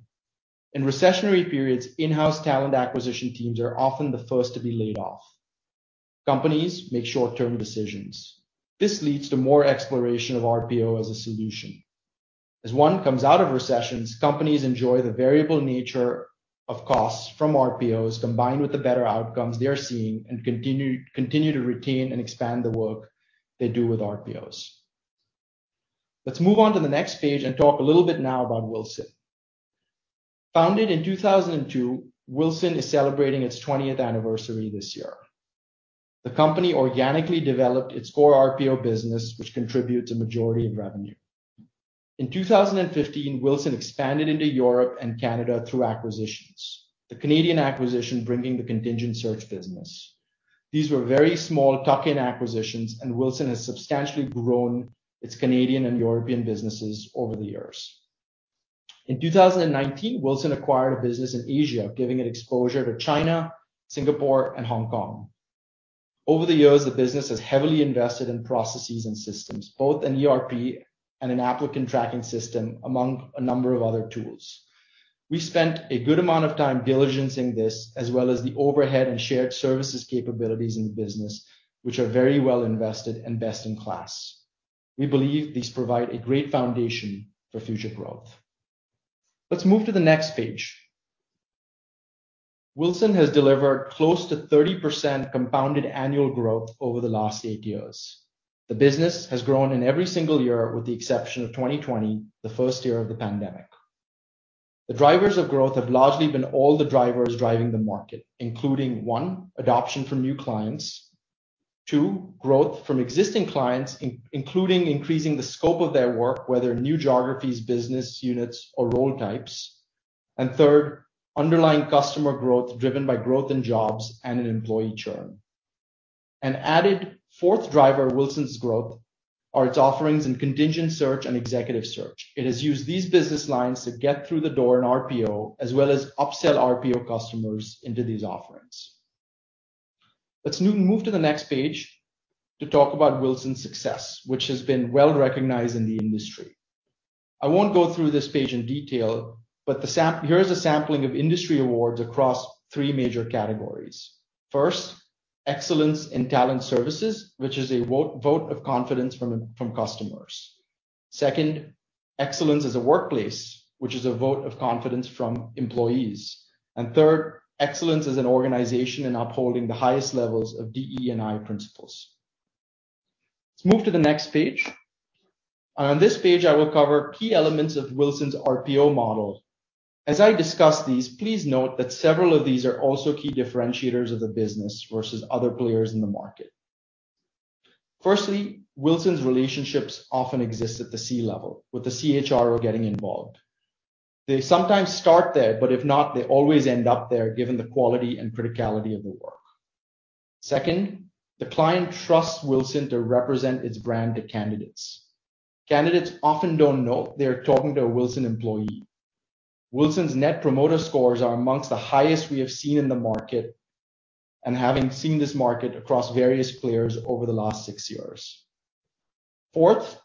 J: In recessionary periods, in-house talent acquisition teams are often the first to be laid off. Companies make short-term decisions. This leads to more exploration of RPO as a solution. As one comes out of recessions, companies enjoy the variable nature of costs from RPOs combined with the better outcomes they are seeing and continue to retain and expand the work they do with RPOs. Let's move on to the next page and talk a little bit now about Wilson. Founded in 2002, Wilson is celebrating its twentieth anniversary this year. The company organically developed its core RPO business, which contributes a majority of revenue. In 2015, Wilson expanded into Europe and Canada through acquisitions. The Canadian acquisition, bringing the contingent search business. These were very small tuck-in acquisitions, and Wilson has substantially grown its Canadian and European businesses over the years. In 2019, Wilson acquired a business in Asia, giving it exposure to China, Singapore, and Hong Kong. Over the years, the business has heavily invested in processes and systems, both an ERP and an applicant tracking system, among a number of other tools. We spent a good amount of time diligencing this as well as the overhead and shared services capabilities in the business, which are very well invested and best in class. We believe these provide a great foundation for future growth. Let's move to the next page. Wilson has delivered close to 30% compounded annual growth over the last eight years. The business has grown in every single year, with the exception of 2020, the first year of the pandemic. The drivers of growth have largely been all the drivers driving the market, including, 1, adoption from new clients. Two, growth from existing clients including increasing the scope of their work, whether new geographies, business units, or role types. Third, underlying customer growth driven by growth in jobs and in employee churn. An added fourth driver of Wilson's growth are its offerings in contingent search and executive search. It has used these business lines to get through the door in RPO, as well as upsell RPO customers into these offerings. Let's now move to the next page to talk about Wilson's success, which has been well-recognized in the industry. I won't go through this page in detail, but here's a sampling of industry awards across three major categories. First, excellence in talent services, which is a vote of confidence from customers. Second, excellence as a workplace, which is a vote of confidence from employees. Third, excellence as an organization in upholding the highest levels of DE&I principles. Let's move to the next page. On this page, I will cover key elements of Wilson's RPO model. As I discuss these, please note that several of these are also key differentiators of the business versus other players in the market. Firstly, Wilson's relationships often exist at the C-level with the CHRO getting involved. They sometimes start there, but if not, they always end up there, given the quality and criticality of the work. Second, the client trusts Wilson to represent its brand to candidates. Candidates often don't know they're talking to a Wilson employee. Wilson's net promoter scores are among the highest we have seen in the market, and having seen this market across various players over the last six years. Fourth,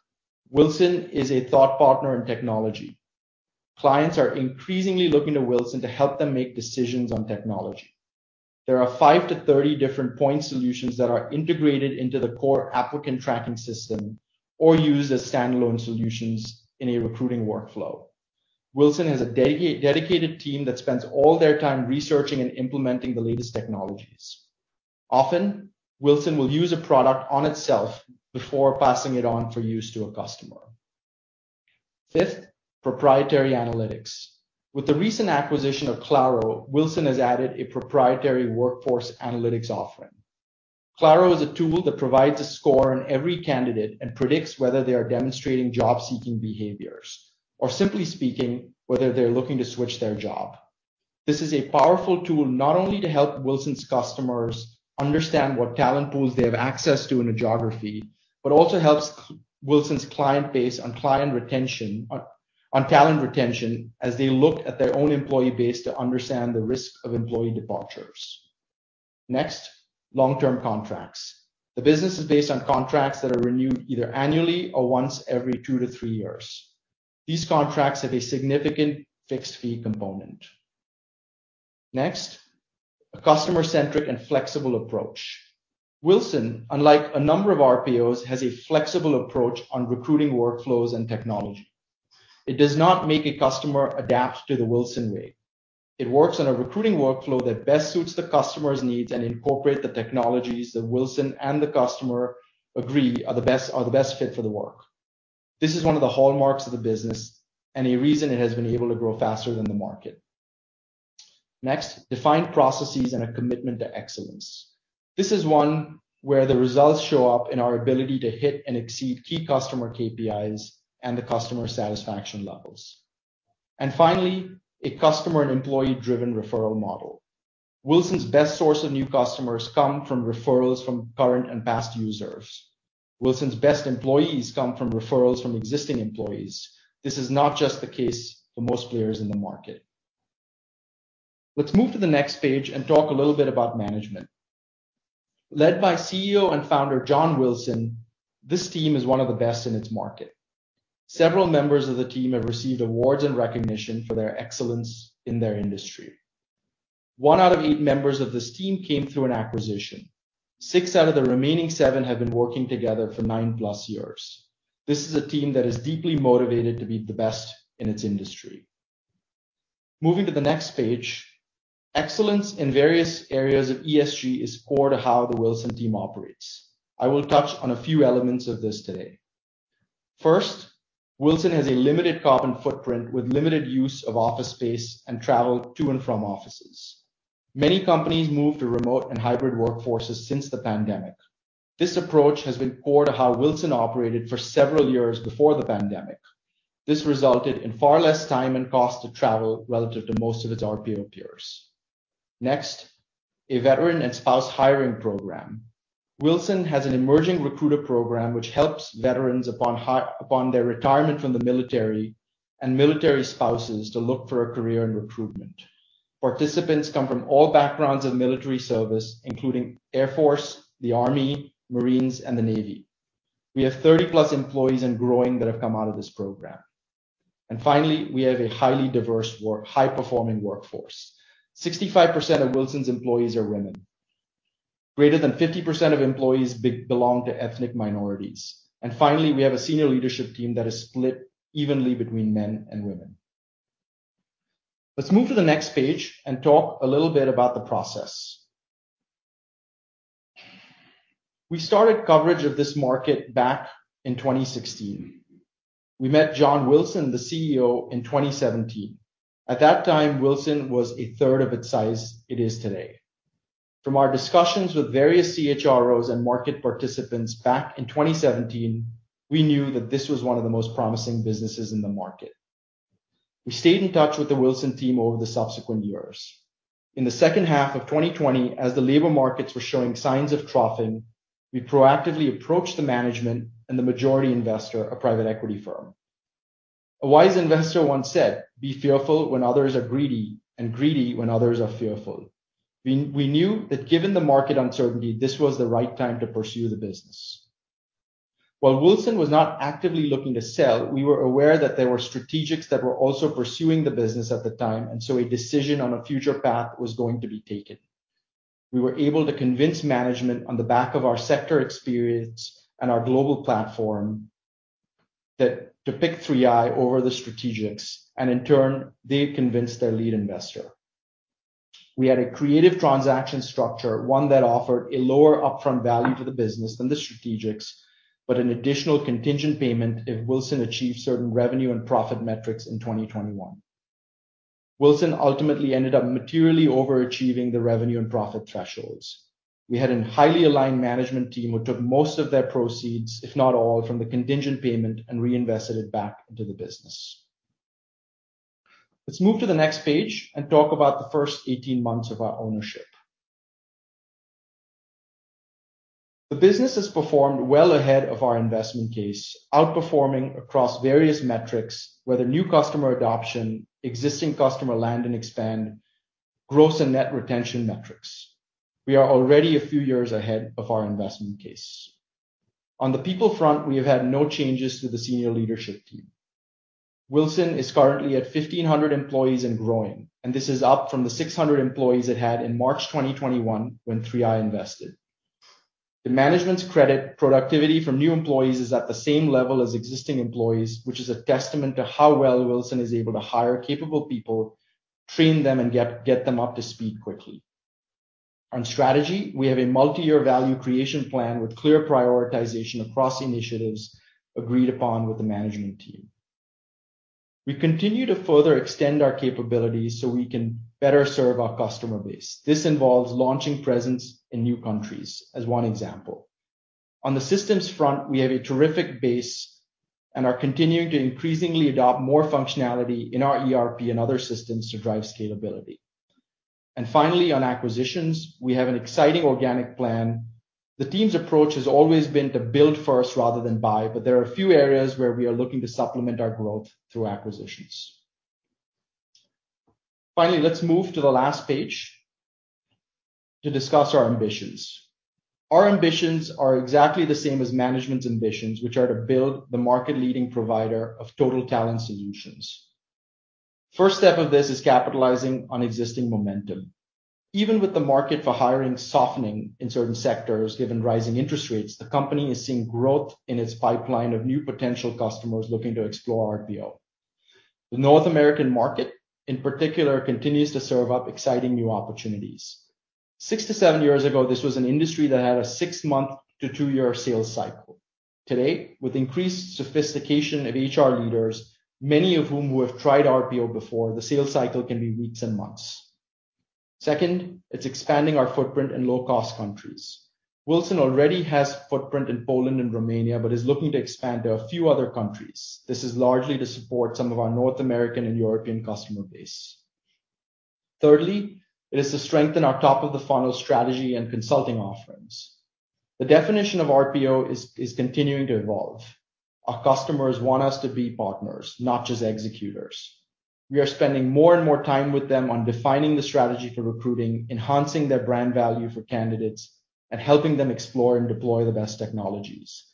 J: Wilson is a thought partner in technology. Clients are increasingly looking to Wilson to help them make decisions on technology. There are five to 30 different point solutions that are integrated into the core applicant tracking system or used as standalone solutions in a recruiting workflow. Wilson has a dedicated team that spends all their time researching and implementing the latest technologies. Often, Wilson will use a product on itself before passing it on for use to a customer. Fifth, proprietary analytics. With the recent acquisition of Claro, Wilson has added a proprietary workforce analytics offering. Claro is a tool that provides a score on every candidate and predicts whether they are demonstrating job-seeking behaviors, or simply speaking, whether they're looking to switch their job. This is a powerful tool not only to help Wilson's customers understand what talent pools they have access to in a geography, but also helps Wilson's client base on talent retention as they look at their own employee base to understand the risk of employee departures. Next, long-term contracts. The business is based on contracts that are renewed either annually or once every two to three years. These contracts have a significant fixed-fee component. Next, a customer-centric and flexible approach. Wilson, unlike a number of RPOs, has a flexible approach on recruiting workflows and technology. It does not make a customer adapt to the Wilson way. It works on a recruiting workflow that best suits the customer's needs and incorporate the technologies that Wilson and the customer agree are the best, are the best fit for the work. This is one of the hallmarks of the business and a reason it has been able to grow faster than the market. Next, defined processes and a commitment to excellence. This is one where the results show up in our ability to hit and exceed key customer KPIs and the customer satisfaction levels. Finally, a customer and employee-driven referral model. Wilson's best source of new customers come from referrals from current and past users. Wilson's best employees come from referrals from existing employees. This is not just the case for most players in the market. Let's move to the next page and talk a little bit about management. Led by CEO and founder, John Wilson, this team is one of the best in its market. Several members of the team have received awards and recognition for their excellence in their industry. One out of eight members of this team came through an acquisition. Six out of the remaining seven have been working together for nine-plus years. This is a team that is deeply motivated to be the best in its industry. Moving to the next page. Excellence in various areas of ESG is core to how the Wilson team operates. I will touch on a few elements of this today. First, Wilson has a limited carbon footprint with limited use of office space and travel to and from offices. Many companies moved to remote and hybrid workforces since the pandemic. This approach has been core to how Wilson operated for several years before the pandemic. This resulted in far less time and cost to travel relative to most of its RPO peers. Next, a veteran and spouse hiring program. Wilson has an emerging recruiter program which helps veterans upon their retirement from the military and military spouses to look for a career in recruitment. Participants come from all backgrounds of military service, including Air Force, the Army, Marines, and the Navy. We have 30+ employees and growing that have come out of this program. Finally, we have a highly diverse high-performing workforce. 65% of Wilson's employees are women. Greater than 50% of employees belong to ethnic minorities. Finally, we have a senior leadership team that is split evenly between men and women. Let's move to the next page and talk a little bit about the process. We started coverage of this market back in 2016. We met John Wilson, the CEO, in 2017. At that time, Wilson was a third of its size it is today. From our discussions with various CHROs and market participants back in 2017, we knew that this was one of the most promising businesses in the market. We stayed in touch with the Wilson team over the subsequent years. In the second half of 2020, as the labor markets were showing signs of troughing, we proactively approached the management and the majority investor, a private equity firm. A wise investor once said, "Be fearful when others are greedy, and greedy when others are fearful." We knew that given the market uncertainty, this was the right time to pursue the business. While Wilson was not actively looking to sell, we were aware that there were strategics that were also pursuing the business at the time, and so a decision on a future path was going to be taken. We were able to convince management on the back of our sector experience and our global platform that to pick 3i over the strategics, and in turn, they convinced their lead investor. We had a creative transaction structure, one that offered a lower upfront value to the business than the strategics, but an additional contingent payment if Wilson achieved certain revenue and profit metrics in 2021. Wilson ultimately ended up materially overachieving the revenue and profit thresholds. We had a highly aligned management team who took most of their proceeds, if not all, from the contingent payment and reinvested it back into the business. Let's move to the next page and talk about the first 18 months of our ownership. The business has performed well ahead of our investment case, outperforming across various metrics, whether new customer adoption, existing customer land and expand, gross and net retention metrics. We are already a few years ahead of our investment case. On the people front, we have had no changes to the senior leadership team. Wilson is currently at 1,500 employees and growing, and this is up from the 600 employees it had in March 2021 when 3i invested. The management credits productivity from new employees is at the same level as existing employees, which is a testament to how well Wilson is able to hire capable people, train them, and get them up to speed quickly. On strategy, we have a multi-year value creation plan with clear prioritization across initiatives agreed upon with the management team. We continue to further extend our capabilities so we can better serve our customer base. This involves launching presence in new countries as one example. On the systems front, we have a terrific base and are continuing to increasingly adopt more functionality in our ERP and other systems to drive scalability. Finally, on acquisitions, we have an exciting organic plan. The team's approach has always been to build first rather than buy, but there are a few areas where we are looking to supplement our growth through acquisitions. Finally, let's move to the last page to discuss our ambitions. Our ambitions are exactly the same as management's ambitions, which are to build the market leading provider of total talent solutions. First step of this is capitalizing on existing momentum. Even with the market for hiring softening in certain sectors, given rising interest rates, the company is seeing growth in its pipeline of new potential customers looking to explore RPO. The North American market, in particular, continues to serve up exciting new opportunities. six to seven years ago, this was an industry that had a six-month to two-year sales cycle. Today, with increased sophistication of HR leaders, many of whom have tried RPO before, the sales cycle can be weeks and months. Second, it's expanding our footprint in low-cost countries. Wilson already has footprint in Poland and Romania, but is looking to expand to a few other countries. This is largely to support some of our North American and European customer base. Thirdly, it is to strengthen our top of the funnel strategy and consulting offerings. The definition of RPO is continuing to evolve. Our customers want us to be partners, not just executors. We are spending more and more time with them on defining the strategy for recruiting, enhancing their brand value for candidates, and helping them explore and deploy the best technologies.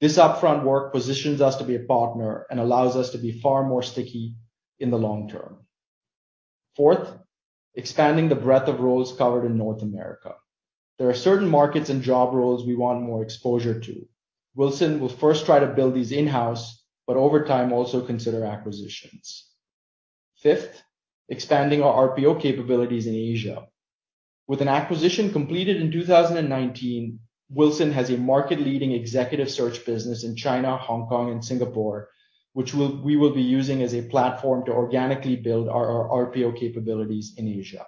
J: This upfront work positions us to be a partner and allows us to be far more sticky in the long-term. Fourth, expanding the breadth of roles covered in North America. There are certain markets and job roles we want more exposure to. Wilson will first try to build these in-house, but over time, also consider acquisitions. Fifth, expanding our RPO capabilities in Asia. With an acquisition completed in 2019, Wilson has a market leading executive search business in China, Hong Kong, and Singapore, which we will be using as a platform to organically build our RPO capabilities in Asia.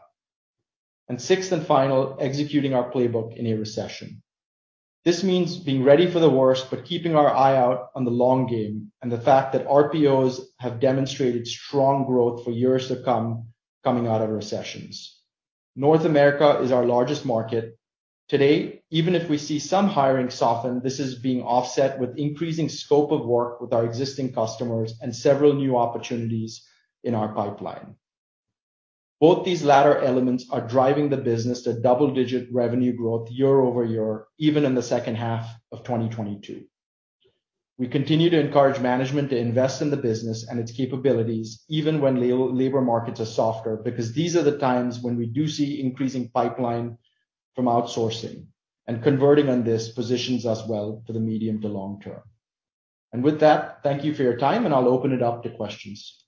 J: Sixth and final, executing our playbook in a recession. This means being ready for the worst, but keeping our eye out on the long game and the fact that RPOs have demonstrated strong growth for years to come, coming out of recessions. North America is our largest market. Today, even if we see some hiring soften, this is being offset with increasing scope of work with our existing customers and several new opportunities in our pipeline. Both these latter elements are driving the business to double-digit revenue growth year-over-year, even in the second half of 2022. We continue to encourage management to invest in the business and its capabilities even when labor markets are softer, because these are the times when we do see increasing pipeline from outsourcing. Converting on this positions us well for the medium to long-term. With that, thank you for your time, and I'll open it up to questions.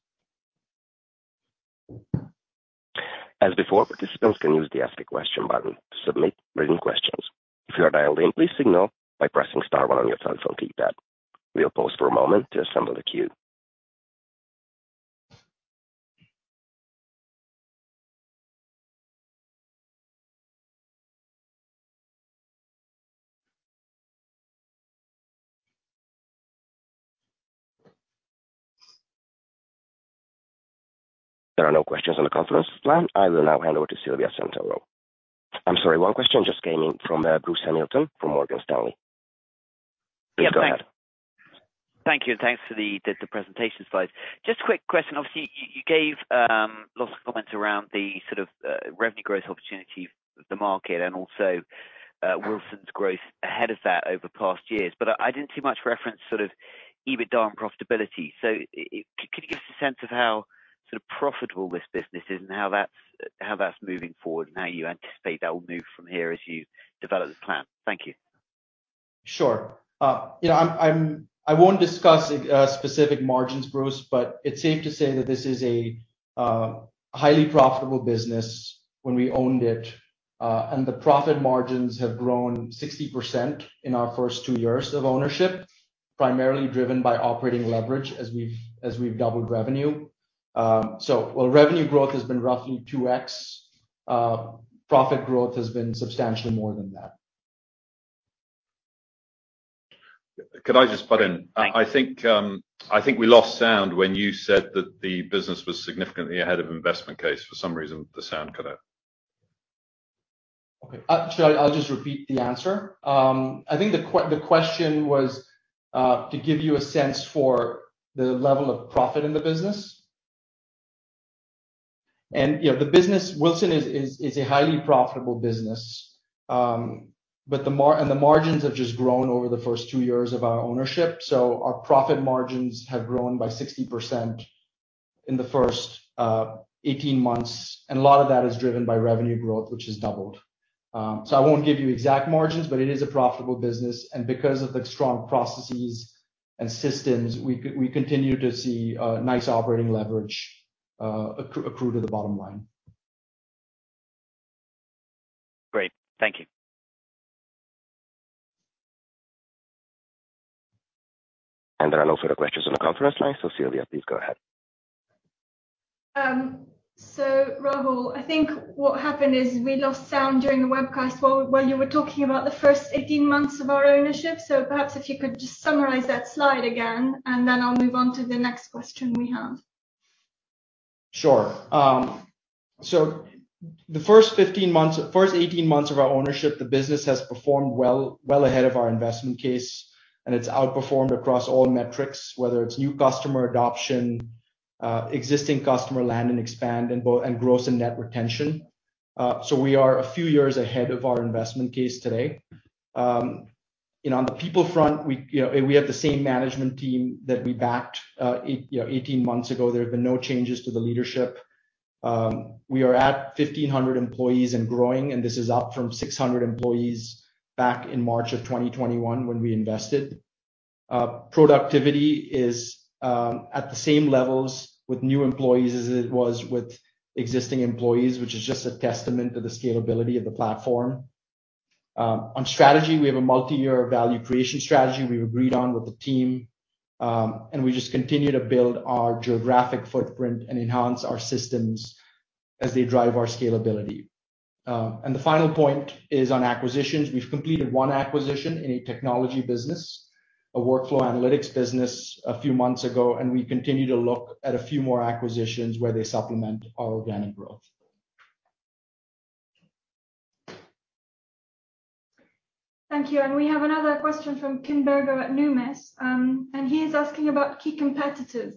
A: As before, participants can use the ask a question button to submit written questions. If you are dialed in, please signal by pressing star one on your telephone keypad. We'll pause for a moment to assemble the queue. There are no questions on the conference plan. I will now hand over to Silvia Santoro. I'm sorry, one question just came in from Bruce Hamilton from Morgan Stanley. Please go ahead.
E: Thank you, and thanks for the presentation slides. Just a quick question. Obviously, you gave lots of comments around the sort of revenue growth opportunity, the market and also Wilson's growth ahead of that over past years. But I didn't see much reference to EBITDA and profitability. Could you give us a sense of how sort of profitable this business is and how that's moving forward and how you anticipate that will move from here as you develop the plan? Thank you.
J: Sure. You know, I won't discuss specific margins, Bruce, but it's safe to say that this is a highly profitable business when we owned it. The profit margins have grown 60% in our first two years of ownership, primarily driven by operating leverage as we've doubled revenue. While revenue growth has been roughly 2x, profit growth has been substantially more than that.
B: Could I just butt in?
E: Sure.
B: I think we lost sound when you said that the business was significantly ahead of investment case. For some reason, the sound cut out.
J: I'll just repeat the answer. I think the question was to give you a sense for the level of profit in the business. You know, the business, Wilson is a highly profitable business. The margins have just grown over the first two years of our ownership. Our profit margins have grown by 60% in the first 18 months, and a lot of that is driven by revenue growth, which has doubled. I won't give you exact margins, but it is a profitable business. Because of the strong processes and systems, we continue to see nice operating leverage accrue to the bottom line.
E: Great. Thank you.
A: There are no further questions on the conference line, so Silvia, please go ahead.
G: Rahul, I think what happened is we lost sound during the webcast while you were talking about the first 18 months of our ownership. Perhaps if you could just summarize that slide again, and then I'll move on to the next question we have.
J: Sure. The first 18 months of our ownership, the business has performed well ahead of our investment case, and it's outperformed across all metrics, whether it's new customer adoption, existing customer land and expand and gross and net retention. We are a few years ahead of our investment case today. You know, on the people front, we you know, we have the same management team that we backed you know, 18 months ago. There have been no changes to the leadership. We are at 1,500 employees and growing, and this is up from 600 employees back in March 2021 when we invested. Productivity is at the same levels with new employees as it was with existing employees, which is just a testament to the scalability of the platform. On strategy, we have a multi-year value creation strategy we've agreed on with the team. We just continue to build our geographic footprint and enhance our systems as they drive our scalability. The final point is on acquisitions. We've completed one acquisition in a technology business, a workforce analytics business a few months ago, and we continue to look at a few more acquisitions where they supplement our organic growth.
G: Thank you. We have another question from Kim Berger at Numis. He's asking about key competitors.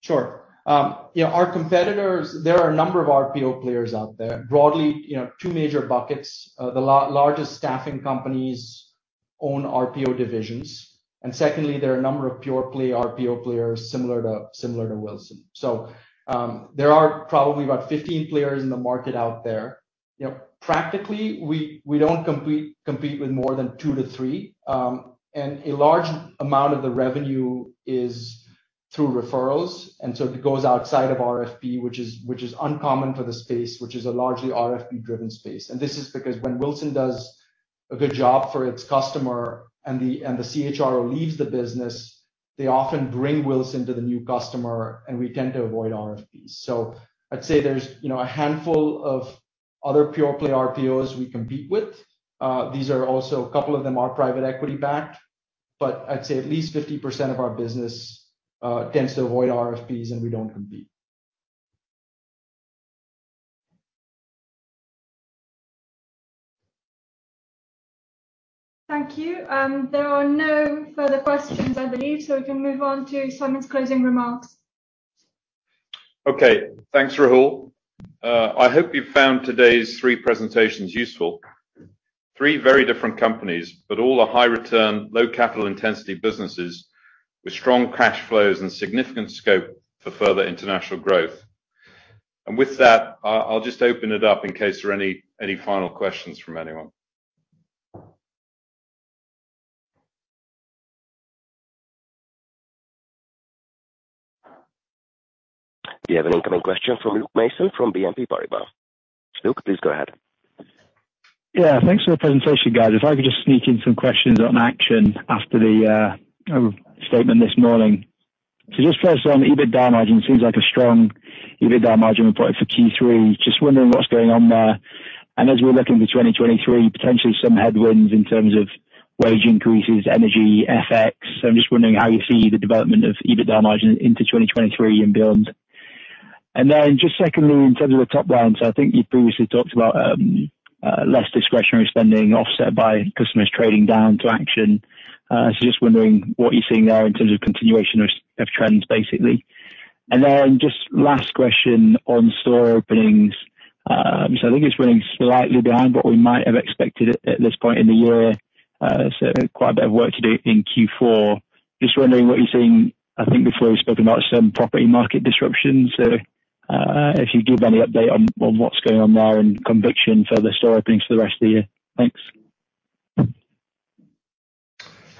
J: Sure. You know, our competitors, there are a number of RPO players out there. Broadly, you know, two major buckets. The largest staffing companies own RPO divisions. Secondly, there are a number of pure play RPO players similar to Wilson. There are probably about 15 players in the market out there. You know, practically, we don't compete with more than two to three. A large amount of the revenue is through referrals. It goes outside of RFP, which is uncommon for the space, which is a largely RFP-driven space. This is because when Wilson does a good job for its customer and the CHRO leaves the business, they often bring Wilson to the new customer, and we tend to avoid RFPs. I'd say there's, you know, a handful of other pure play RPOs we compete with. These are also, a couple of them are private equity-backed. I'd say at least 50% of our business tends to avoid RFPs and we don't compete.
G: Thank you. There are no further questions, I believe, so we can move on to Simon's closing remarks.
B: Okay. Thanks, Rahul. I hope you found today's three presentations useful. Three very different companies, but all are high return, low capital intensity businesses with strong cash flows and significant scope for further international growth. With that, I'll just open it up in case there are any final questions from anyone.
A: We have an incoming question from Luke Mason from BNP Paribas. Luke, please go ahead.
F: Yeah. Thanks for the presentation, guys. If I could just sneak in some questions on Action after the statement this morning. Just first on the EBITDA margin, seems like a strong EBITDA margin reported for Q3. Just wondering what's going on there. As we're looking for 2023, potentially some headwinds in terms of wage increases, energy, FX. I'm just wondering how you see the development of EBITDA margin into 2023 and beyond. Just secondly, in terms of the top line, I think you previously talked about less discretionary spending offset by customers trading down to Action. Just wondering what you're seeing there in terms of continuation of trends, basically. Just last question on store openings. I think it's running slightly down what we might have expected at this point in the year. Quite a bit of work to do in Q4. Just wondering what you're seeing. I think before you've spoken about some property market disruptions. If you give any update on what's going on there and conviction for the store openings for the rest of the year. Thanks.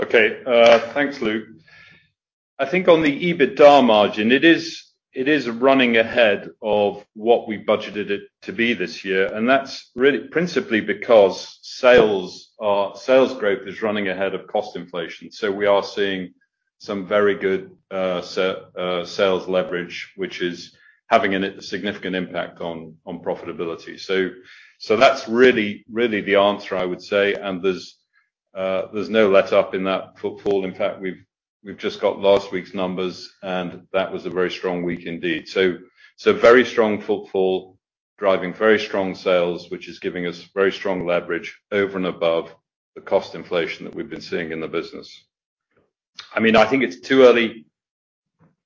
B: Okay. Thanks, Luke. I think on the EBITDA margin, it is running ahead of what we budgeted it to be this year, and that's really principally because sales growth is running ahead of cost inflation. We are seeing some very good sales leverage, which is having a significant impact on profitability. That's really the answer I would say. There's no letup in that footfall. In fact, we've just got last week's numbers, and that was a very strong week indeed. Very strong footfall driving very strong sales, which is giving us very strong leverage over and above the cost inflation that we've been seeing in the business. I mean, I think it's too early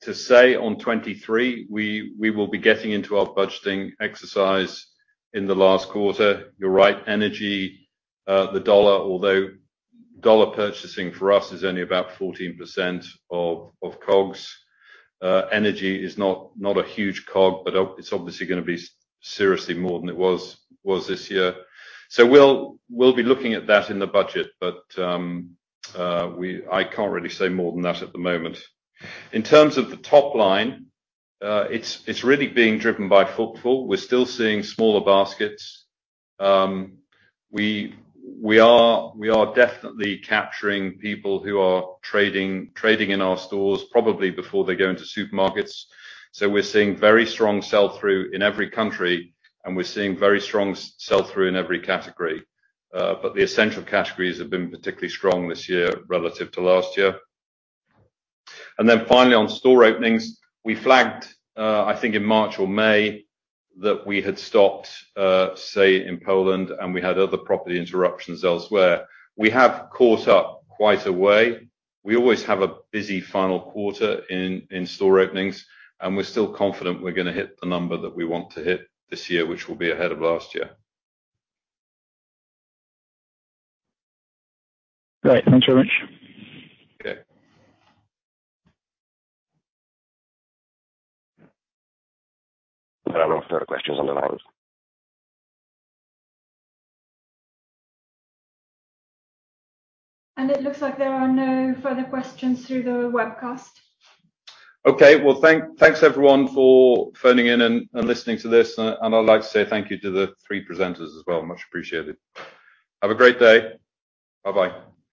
B: to say on 2023. We will be getting into our budgeting exercise in the last quarter. You're right, energy, the dollar, although dollar purchasing for us is only about 14% of COGS. Energy is not a huge COGS, but it's obviously gonna be seriously more than it was this year. We'll be looking at that in the budget. I can't really say more than that at the moment. In terms of the top line, it's really being driven by footfall. We're still seeing smaller baskets. We are definitely capturing people who are trading in our stores probably before they go into supermarkets. We're seeing very strong sell-through in every country, and we're seeing very strong sell-through in every category. The essential categories have been particularly strong this year relative to last year. Finally on store openings, we flagged, I think in March or May that we had stopped, say in Poland, and we had other property interruptions elsewhere. We have caught up quite a way. We always have a busy final quarter in store openings, and we're still confident we're gonna hit the number that we want to hit this year, which will be ahead of last year.
F: Great. Thanks very much.
B: Okay.
A: There are no further questions on the line.
G: It looks like there are no further questions through the webcast.
B: Okay. Well, thanks everyone for phoning in and I'd like to say thank you to the three presenters as well. Much appreciated. Have a great day. Bye-bye.